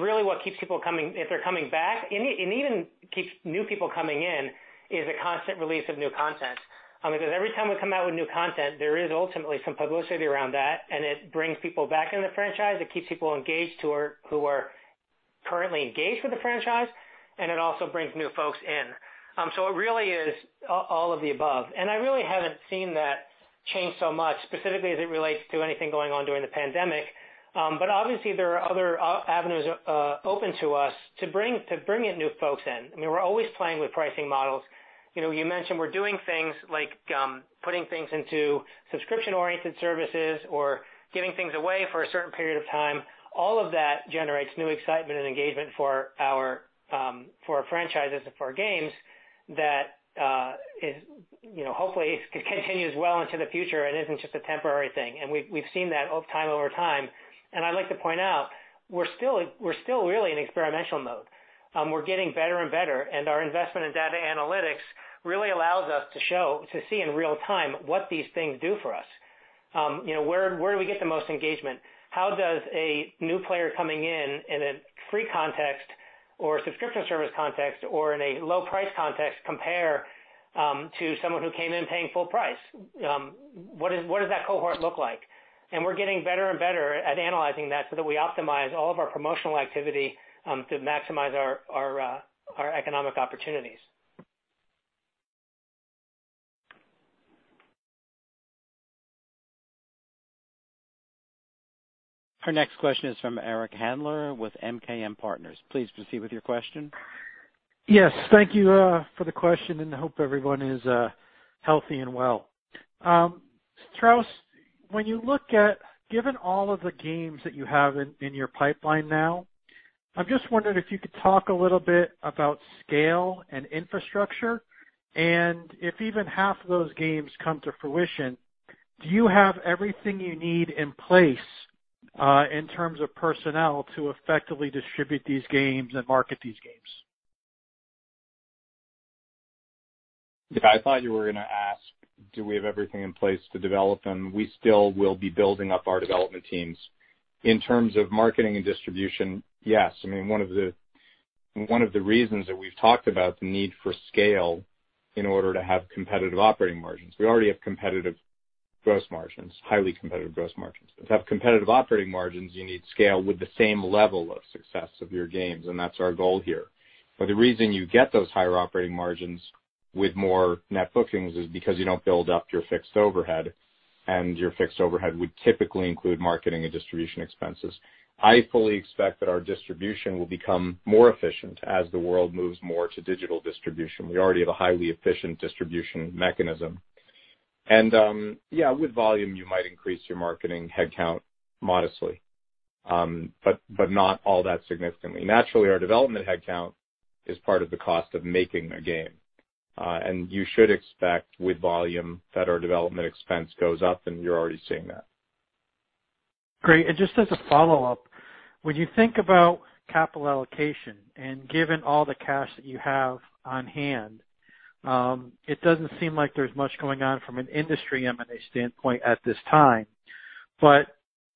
Really what keeps people coming, if they're coming back, and even keeps new people coming in is the constant release of new content. Every time we come out with new content, there is ultimately some publicity around that, and it brings people back in the franchise. It keeps people engaged who are currently engaged with the franchise, and it also brings new folks in. It really is all of the above. I really haven't seen that change so much specifically as it relates to anything going on during the pandemic. Obviously there are other avenues open to us to bring in new folks in. We're always playing with pricing models. You mentioned we're doing things like putting things into subscription-oriented services or giving things away for a certain period of time. All of that generates new excitement and engagement for our franchises and for our games that hopefully continues well into the future and isn't just a temporary thing. We've seen that time over time. I'd like to point out we're still really in experimental mode. We're getting better and better, and our investment in data analytics really allows us to see in real time what these things do for us. Where do we get the most engagement? How does a new player coming in in a free context or a subscription service context or in a low price context compare to someone who came in paying full price? What does that cohort look like? We're getting better and better at analyzing that so that we optimize all of our promotional activity to maximize our economic opportunities. Our next question is from Eric Handler with MKM Partners. Please proceed with your question. Yes. Thank you for the question, and I hope everyone is healthy and well. Strauss, when you look at, given all of the games that you have in your pipeline now, I'm just wondering if you could talk a little bit about scale and infrastructure, and if even half of those games come to fruition, do you have everything you need in place in terms of personnel to effectively distribute these games and market these games? Yeah, I thought you were going to ask, do we have everything in place to develop them? We still will be building up our development teams. In terms of marketing and distribution, yes. One of the reasons that we've talked about the need for scale in order to have competitive operating margins. We already have competitive gross margins, highly competitive gross margins. To have competitive operating margins, you need scale with the same level of success of your games, and that's our goal here. The reason you get those higher operating margins with more net bookings is because you don't build up your fixed overhead, and your fixed overhead would typically include marketing and distribution expenses. I fully expect that our distribution will become more efficient as the world moves more to digital distribution. We already have a highly efficient distribution mechanism. Yeah, with volume, you might increase your marketing headcount modestly, but not all that significantly. Naturally, our development headcount is part of the cost of making a game. You should expect with volume that our development expense goes up, and you're already seeing that. Great. Just as a follow-up, when you think about capital allocation and given all the cash that you have on hand, it doesn't seem like there's much going on from an industry M&A standpoint at this time.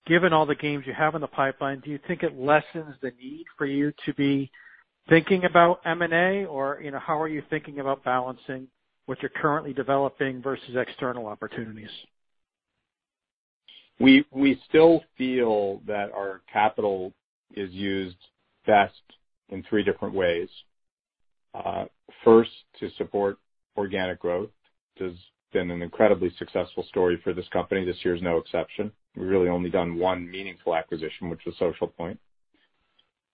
Given all the games you have in the pipeline, do you think it lessens the need for you to be thinking about M&A? Or how are you thinking about balancing what you're currently developing versus external opportunities? We still feel that our capital is used best in three different ways. First, to support organic growth, which has been an incredibly successful story for this company. This year is no exception. We've really only done one meaningful acquisition, which was Social Point.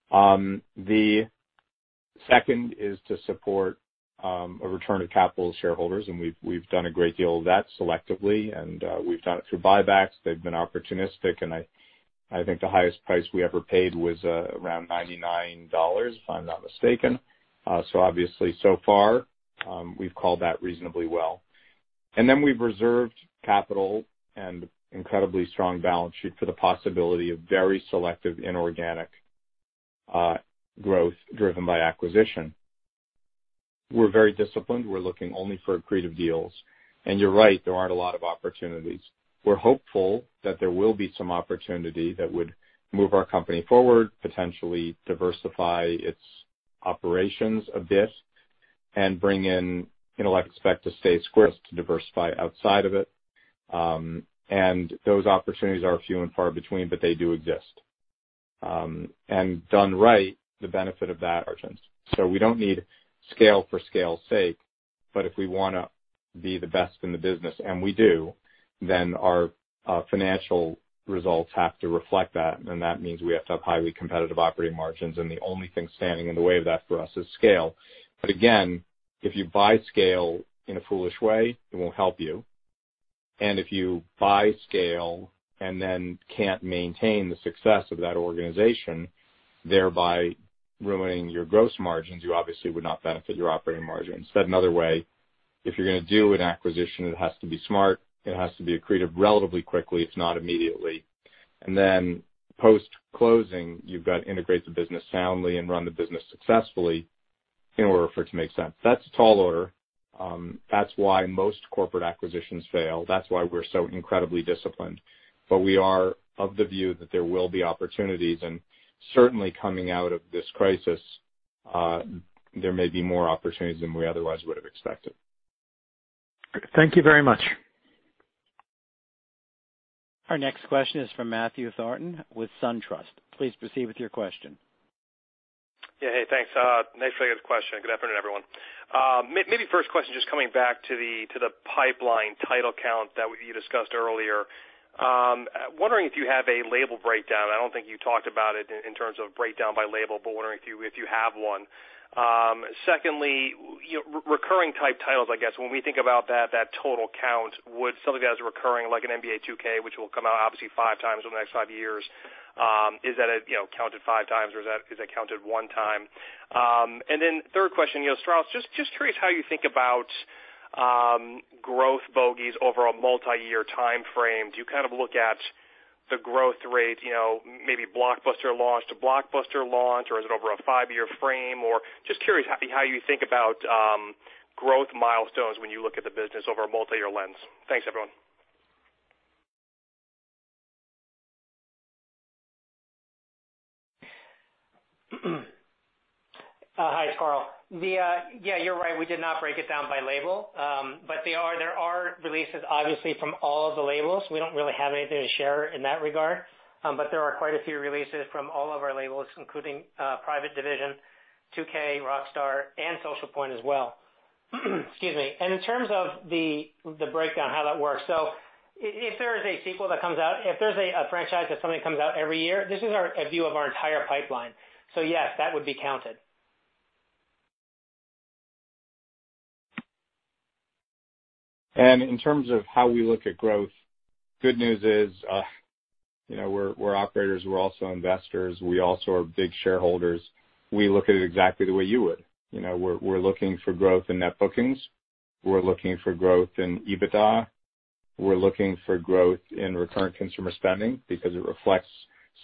The second is to support a return of capital to shareholders, and we've done a great deal of that selectively, and we've done it through buybacks. They've been opportunistic, and I think the highest price we ever paid was around $99, if I'm not mistaken. Obviously so far, we've called that reasonably well. We've reserved capital and incredibly strong balance sheet for the possibility of very selective inorganic growth driven by acquisition. We're very disciplined. We're looking only for accretive deals. You're right, there aren't a lot of opportunities. We're hopeful that there will be some opportunity that would move our company forward, potentially diversify its operations a bit. I expect to stay on course to diversify outside of it. Those opportunities are few and far between, but they do exist. Done right, the benefit of that is just that. We don't need scale for scale's sake, but if we want to be the best in the business, and we do, then our financial results have to reflect that, and that means we have to have highly competitive operating margins, and the only thing standing in the way of that for us is scale. Again, if you buy scale in a foolish way, it won't help you. If you buy scale and then can't maintain the success of that organization, thereby ruining your gross margins, you obviously would not benefit your operating margins. Said another way, if you're going to do an acquisition, it has to be smart. It has to be accretive relatively quickly, if not immediately. Post-closing, you've got to integrate the business soundly and run the business successfully in order for it to make sense. That's a tall order. That's why most corporate acquisitions fail. That's why we're so incredibly disciplined. We are of the view that there will be opportunities, and certainly coming out of this crisis, there may be more opportunities than we otherwise would have expected. Thank you very much. Our next question is from Matthew Thornton with SunTrust. Please proceed with your question. Yeah. Hey, thanks. Nice to ask a question. Good afternoon, everyone. Maybe first question, just coming back to the pipeline title count that you discussed earlier. I'm wondering if you have a label breakdown. I don't think you talked about it in terms of breakdown by label, but wondering if you have one. Secondly, recurring type titles, I guess when we think about that total count, would some of the guys recurring like an NBA 2K, which will come out obviously five times over the next five years, is that counted five times or is that counted one time? Then third question, Strauss, just curious how you think about growth bogeys over a multi-year timeframe. Do you look at the growth rate maybe blockbuster launch to blockbuster launch, or is it over a five-year frame, or just curious how you think about growth milestones when you look at the business over a multi-year lens? Thanks, everyone. Hi, it's Karl. Yeah, you're right. We did not break it down by label. There are releases obviously from all of the labels. We don't really have anything to share in that regard. There are quite a few releases from all of our labels, including Private Division, 2K, Rockstar, and Social Point as well. Excuse me. In terms of the breakdown, how that works, if there is a sequel that comes out, if there's a franchise that somebody comes out every year, this is a view of our entire pipeline. Yes, that would be counted. In terms of how we look at growth, good news is we're operators, we're also investors. We also are big shareholders. We look at it exactly the way you would. We're looking for growth in net bookings. We're looking for growth in EBITDA. We're looking for growth in recurrent consumer spending because it reflects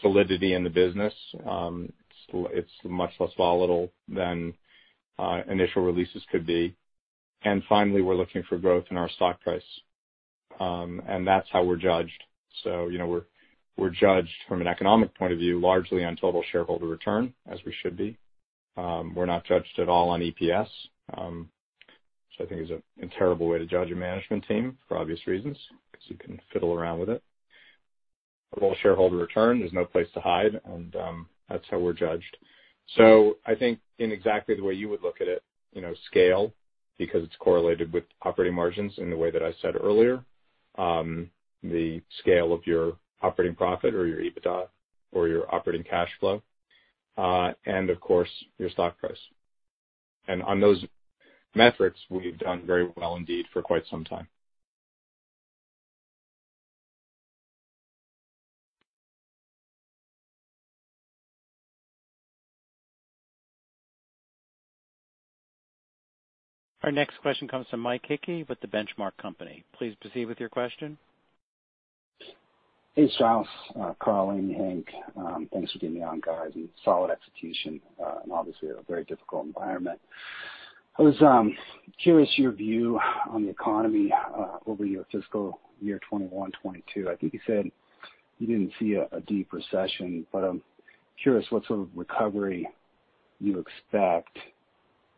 solidity in the business. It's much less volatile than initial releases could be. Finally, we're looking for growth in our stock price, and that's how we're judged. We're judged from an economic point of view, largely on total shareholder return, as we should be. We're not judged at all on EPS, which I think is a terrible way to judge a management team for obvious reasons, because you can fiddle around with it. For shareholder return, there's no place to hide, and that's how we're judged. I think in exactly the way you would look at it, scale, because it's correlated with operating margins in the way that I said earlier. The scale of your operating profit or your EBITDA or your operating cash flow. Of course, your stock price. On those metrics, we've done very well indeed for quite some time. Our next question comes from Mike Hickey with The Benchmark Company. Please proceed with your question. Hey, Strauss, Karl, and Hank. Thanks for getting me on, guys. Solid execution in obviously a very difficult environment. I was curious your view on the economy over your fiscal year 2021, 2022. I think you said you didn't see a deep recession, but I'm curious what sort of recovery you expect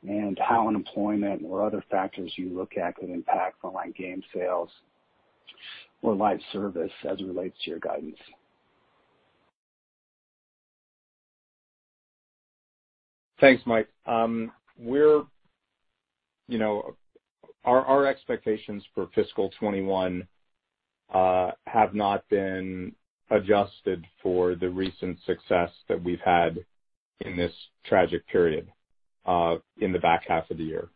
and how unemployment or other factors you look at could impact online game sales or live service as it relates to your guidance. Thanks, Mike. Our expectations for fiscal 2021 have not been adjusted for the recent success that we've had in this tragic period in the back half of the year.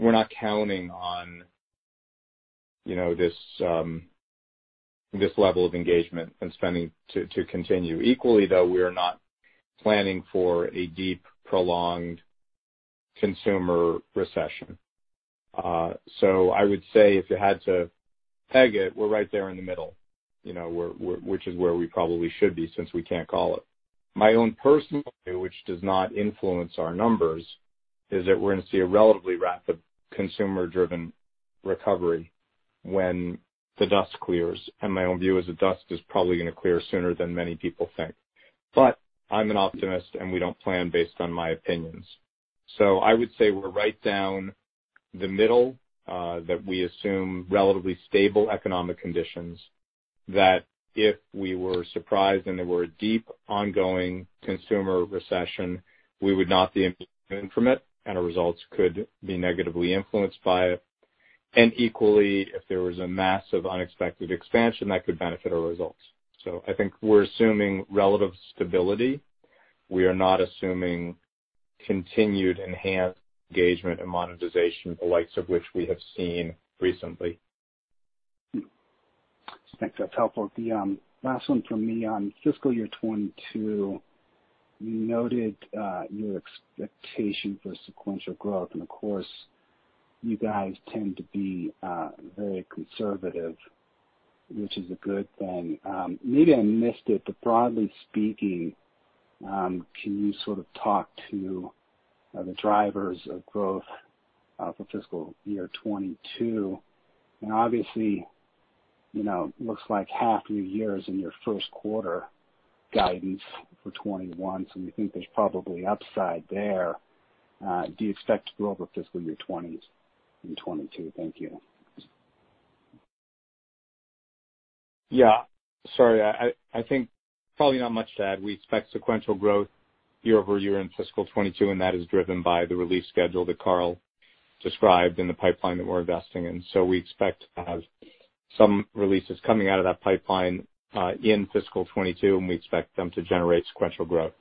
We're not counting on this level of engagement and spending to continue. Equally, though, we are not planning for a deep, prolonged consumer recession. I would say if you had to peg it, we're right there in the middle, which is where we probably should be since we can't call it. My own personal view, which does not influence our numbers, is that we're going to see a relatively rapid consumer-driven recovery when the dust clears. My own view is the dust is probably going to clear sooner than many people think. I'm an optimist, and we don't plan based on my opinions. I would say we're right down the middle, that we assume relatively stable economic conditions, that if we were surprised and there were a deep, ongoing consumer recession, we would not be immune from it, and our results could be negatively influenced by it. Equally, if there was a massive unexpected expansion, that could benefit our results. I think we're assuming relative stability. We are not assuming continued enhanced engagement and monetization, the likes of which we have seen recently. Thanks. That's helpful. The last one from me. On fiscal year 2022, you noted your expectation for sequential growth. Of course, you guys tend to be very conservative, which is a good thing. Maybe I missed it, but broadly speaking, can you sort of talk to the drivers of growth for fiscal year 2022? Obviously, looks like half your year is in your first quarter guidance for 2021, so we think there's probably upside there. Do you expect to grow over fiscal year 2020 and 2022? Thank you. Yeah. Sorry. I think probably not much to add. We expect sequential growth year-over-year in fiscal 2022. That is driven by the release schedule that Karl described and the pipeline that we're investing in. We expect to have some releases coming out of that pipeline in fiscal 2022. We expect them to generate sequential growth.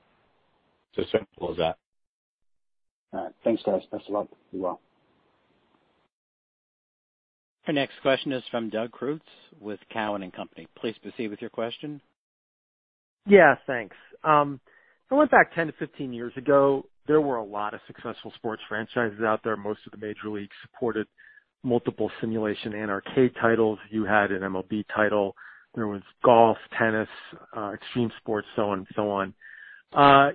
It's as simple as that. All right. Thanks, guys. Thanks a lot. Be well. Our next question is from Doug Creutz with Cowen and Company. Please proceed with your question. Yeah, thanks. Going back 10 to 15 years ago, there were a lot of successful sports franchises out there. Most of the major leagues supported multiple simulation and arcade titles. You had an MLB title. There was golf, tennis, extreme sports, so on.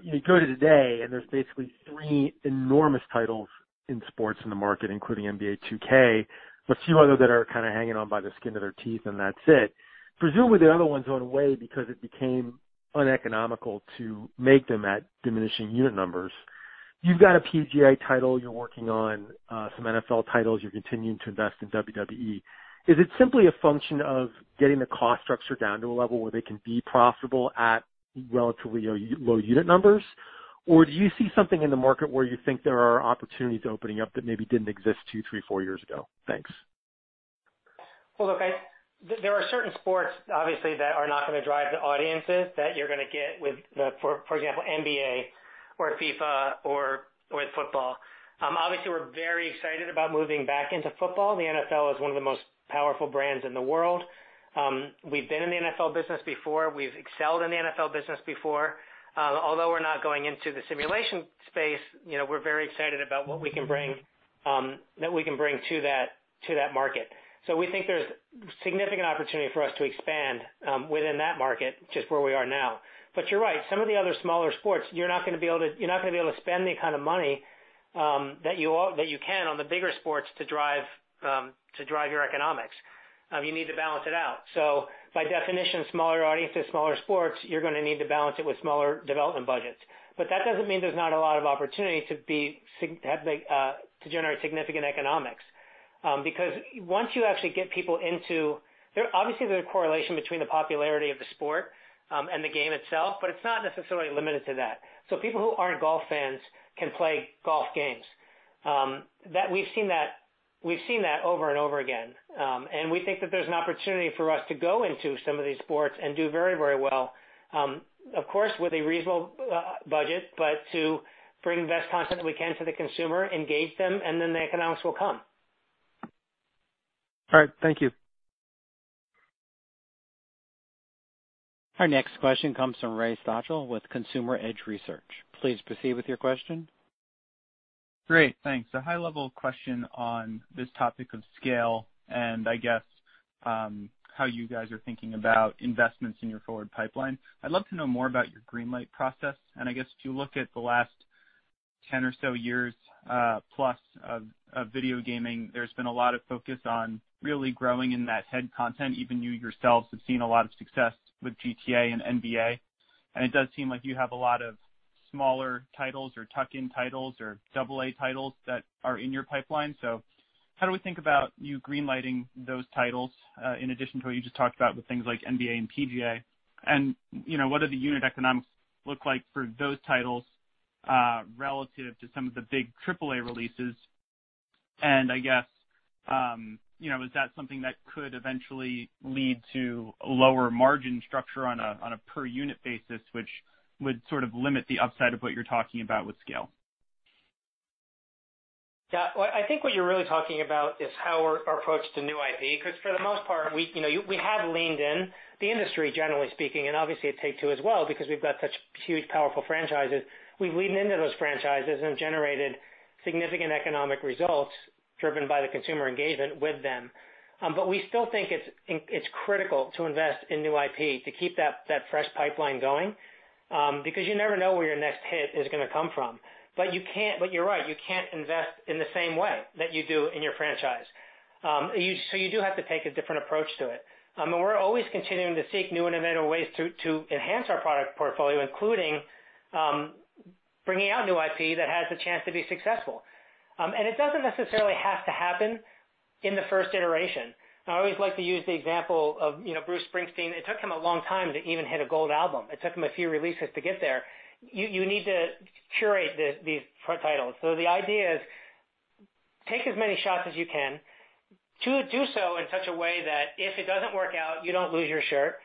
You go to today and there's basically three enormous titles in sports in the market, including NBA 2K. A few others that are kind of hanging on by the skin of their teeth, and that's it. Presumably the other ones went away because it became uneconomical to make them at diminishing unit numbers. You've got a PGA title you're working on, some NFL titles. You're continuing to invest in WWE. Is it simply a function of getting the cost structure down to a level where they can be profitable at relatively low unit numbers? Do you see something in the market where you think there are opportunities opening up that maybe didn't exist two, three, four years ago? Thanks. Well, look, there are certain sports, obviously, that are not going to drive the audiences that you're going to get with, for example, NBA or FIFA or with football. Obviously, we're very excited about moving back into football. The NFL is one of the most powerful brands in the world. We've been in the NFL business before. We've excelled in the NFL business before. Although we're not going into the simulation space, we're very excited about what we can bring to that market. We think there's significant opportunity for us to expand within that market, just where we are now. You're right. Some of the other smaller sports, you're not going to be able to spend the kind of money that you can on the bigger sports to drive your economics. You need to balance it out. By definition, smaller audiences, smaller sports, you're going to need to balance it with smaller development budgets. That doesn't mean there's not a lot of opportunity to generate significant economics. Once you actually get people into, obviously, there's a correlation between the popularity of the sport and the game itself, but it's not necessarily limited to that. People who aren't golf fans can play golf games. We've seen that over and over again. We think that there's an opportunity for us to go into some of these sports and do very well, of course, with a reasonable budget, but to bring the best content we can to the consumer, engage them, and then the economics will come. All right. Thank you. Our next question comes from Ray Stochel with Consumer Edge Research. Please proceed with your question. Great. Thanks. A high-level question on this topic of scale and I guess how you guys are thinking about investments in your forward pipeline. I'd love to know more about your greenlight process. I guess if you look at the last 10 or so years plus of video gaming, there's been a lot of focus on really growing in that head content. Even you yourselves have seen a lot of success with GTA and NBA, and it does seem like you have a lot of smaller titles or tuck-in titles or AA titles that are in your pipeline. How do we think about you greenlighting those titles in addition to what you just talked about with things like NBA and PGA? What do the unit economics look like for those titles relative to some of the big AAA releases? I guess is that something that could eventually lead to a lower margin structure on a per unit basis, which would sort of limit the upside of what you're talking about with scale? I think what you're really talking about is our approach to new IP, because for the most part, we have leaned in the industry, generally speaking, and obviously at Take-Two as well, because we've got such huge, powerful franchises. We've leaned into those franchises and generated significant economic results driven by the consumer engagement with them. We still think it's critical to invest in new IP to keep that fresh pipeline going because you never know where your next hit is going to come from. You're right, you can't invest in the same way that you do in your franchise. You do have to take a different approach to it. We're always continuing to seek new innovative ways to enhance our product portfolio, including bringing out new IP that has the chance to be successful. It doesn't necessarily have to happen in the first iteration. I always like to use the example of Bruce Springsteen. It took him a long time to even hit a gold album. It took him a few releases to get there. You need to curate these titles. The idea is take as many shots as you can to do so in such a way that if it doesn't work out, you don't lose your shirt,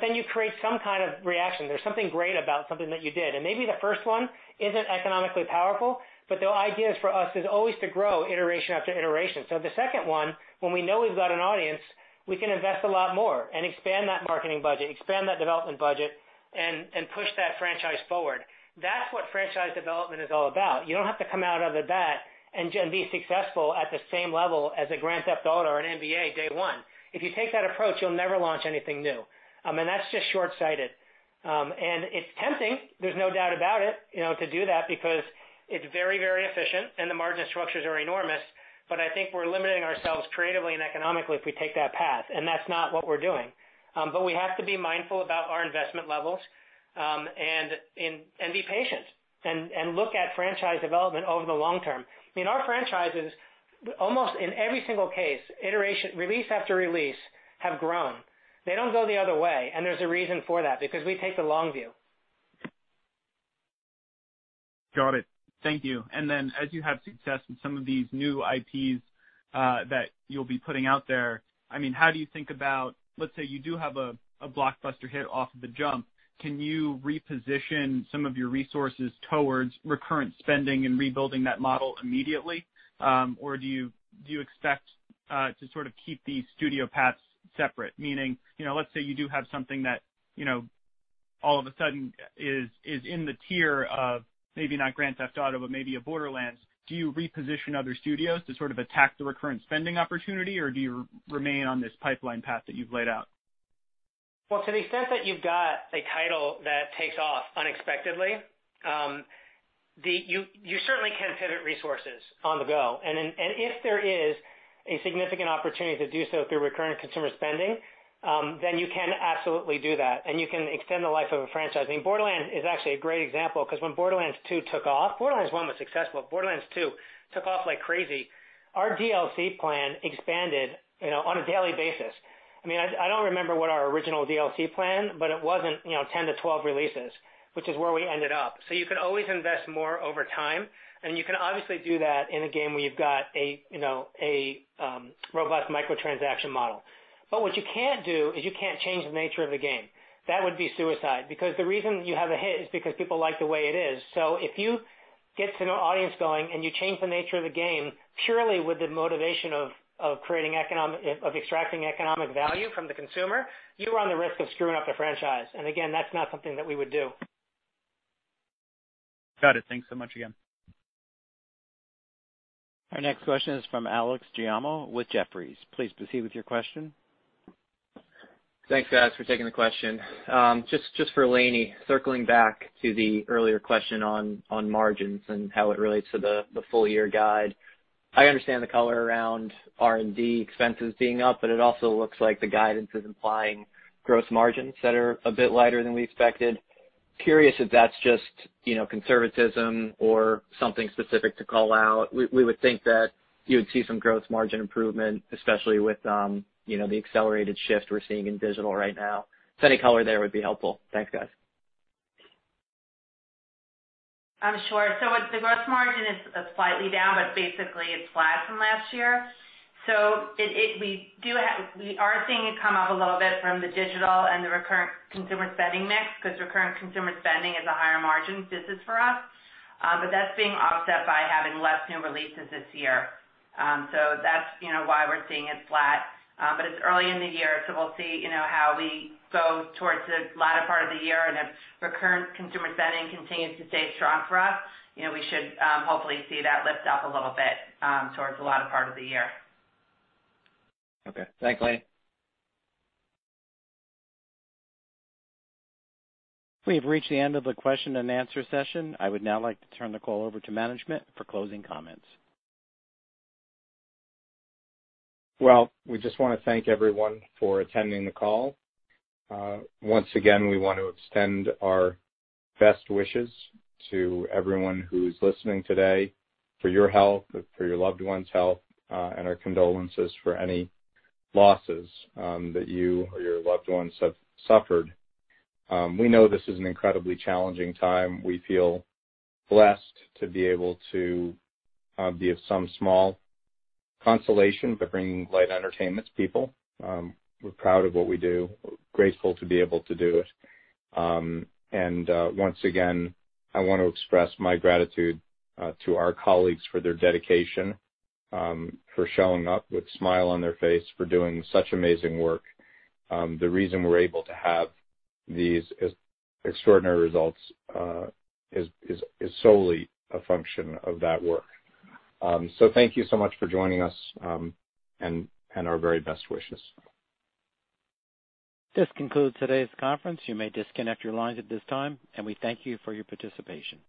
you create some kind of reaction. There's something great about something that you did, maybe the first one isn't economically powerful, the idea is for us is always to grow iteration after iteration. The second one, when we know we've got an audience, we can invest a lot more and expand that marketing budget, expand that development budget, and push that franchise forward. That's what franchise development is all about. You don't have to come out of the bat and be successful at the same level as a Grand Theft Auto or an NBA day one. If you take that approach, you'll never launch anything new. That's just short-sighted. It's tempting, there's no doubt about it, to do that because it's very efficient and the margin structures are enormous, but I think we're limiting ourselves creatively and economically if we take that path, and that's not what we're doing. We have to be mindful about our investment levels and be patient and look at franchise development over the long term. Our franchises, almost in every single case, release after release, have grown. They don't go the other way, and there's a reason for that, because we take the long view. Got it. Thank you. As you have success in some of these new IPs that you'll be putting out there, how do you think about, let's say you do have a blockbuster hit off of the jump, can you reposition some of your resources towards recurrent spending and rebuilding that model immediately? Or do you expect to sort of keep the studio paths separate? Meaning, let's say you do have something that all of a sudden is in the tier of maybe not Grand Theft Auto, but maybe a Borderlands, do you reposition other studios to sort of attack the recurrent spending opportunity, or do you remain on this pipeline path that you've laid out? Well, to the extent that you've got a title that takes off unexpectedly, you certainly can pivot resources on the go. If there is a significant opportunity to do so through Recurrent Consumer Spending, then you can absolutely do that, and you can extend the life of a franchise. I think "Borderlands" is actually a great example because when "Borderlands 2" took off, "Borderlands 1" was successful, but "Borderlands 2" took off like crazy. Our DLC plan expanded on a daily basis. I don't remember what our original DLC plan, but it wasn't 10 to 12 releases, which is where we ended up. You can always invest more over time, and you can obviously do that in a game where you've got a robust microtransaction model. What you can't do is you can't change the nature of the game. That would be suicide, because the reason you have a hit is because people like the way it is. If you get an audience going and you change the nature of the game purely with the motivation of extracting economic value from the consumer, you run the risk of screwing up the franchise. Again, that's not something that we would do. Got it. Thanks so much again. Our next question is from Alex Giaimo with Jefferies. Please proceed with your question. Thanks, guys, for taking the question. Just for Lainie, circling back to the earlier question on margins and how it relates to the full year guide. I understand the color around R&D expenses being up. It also looks like the guidance is implying gross margins that are a bit lighter than we expected. Curious if that's just conservatism or something specific to call out. We would think that you would see some gross margin improvement, especially with the accelerated shift we're seeing in digital right now. Any color there would be helpful. Thanks, guys. Sure. The gross margin is slightly down, but basically it's flat from last year. We are seeing it come up a little bit from the digital and the Recurrent Consumer Spending mix, because Recurrent Consumer Spending is a higher margin business for us. That's being offset by having less new releases this year. It's early in the year. We'll see how we go towards the latter part of the year. If Recurrent Consumer Spending continues to stay strong for us, we should hopefully see that lift up a little bit towards the latter part of the year. Okay. Thanks, Lainie. We have reached the end of the question and answer session. I would now like to turn the call over to management for closing comments. Well, we just want to thank everyone for attending the call. Once again, we want to extend our best wishes to everyone who's listening today for your health, for your loved one's health, and our condolences for any losses that you or your loved ones have suffered. We know this is an incredibly challenging time. We feel blessed to be able to be of some small consolation by bringing light entertainment to people. We're proud of what we do, grateful to be able to do it. Once again, I want to express my gratitude to our colleagues for their dedication, for showing up with a smile on their face, for doing such amazing work. The reason we're able to have these extraordinary results is solely a function of that work. Thank you so much for joining us and our very best wishes. This concludes today's conference. You may disconnect your lines at this time, and we thank you for your participation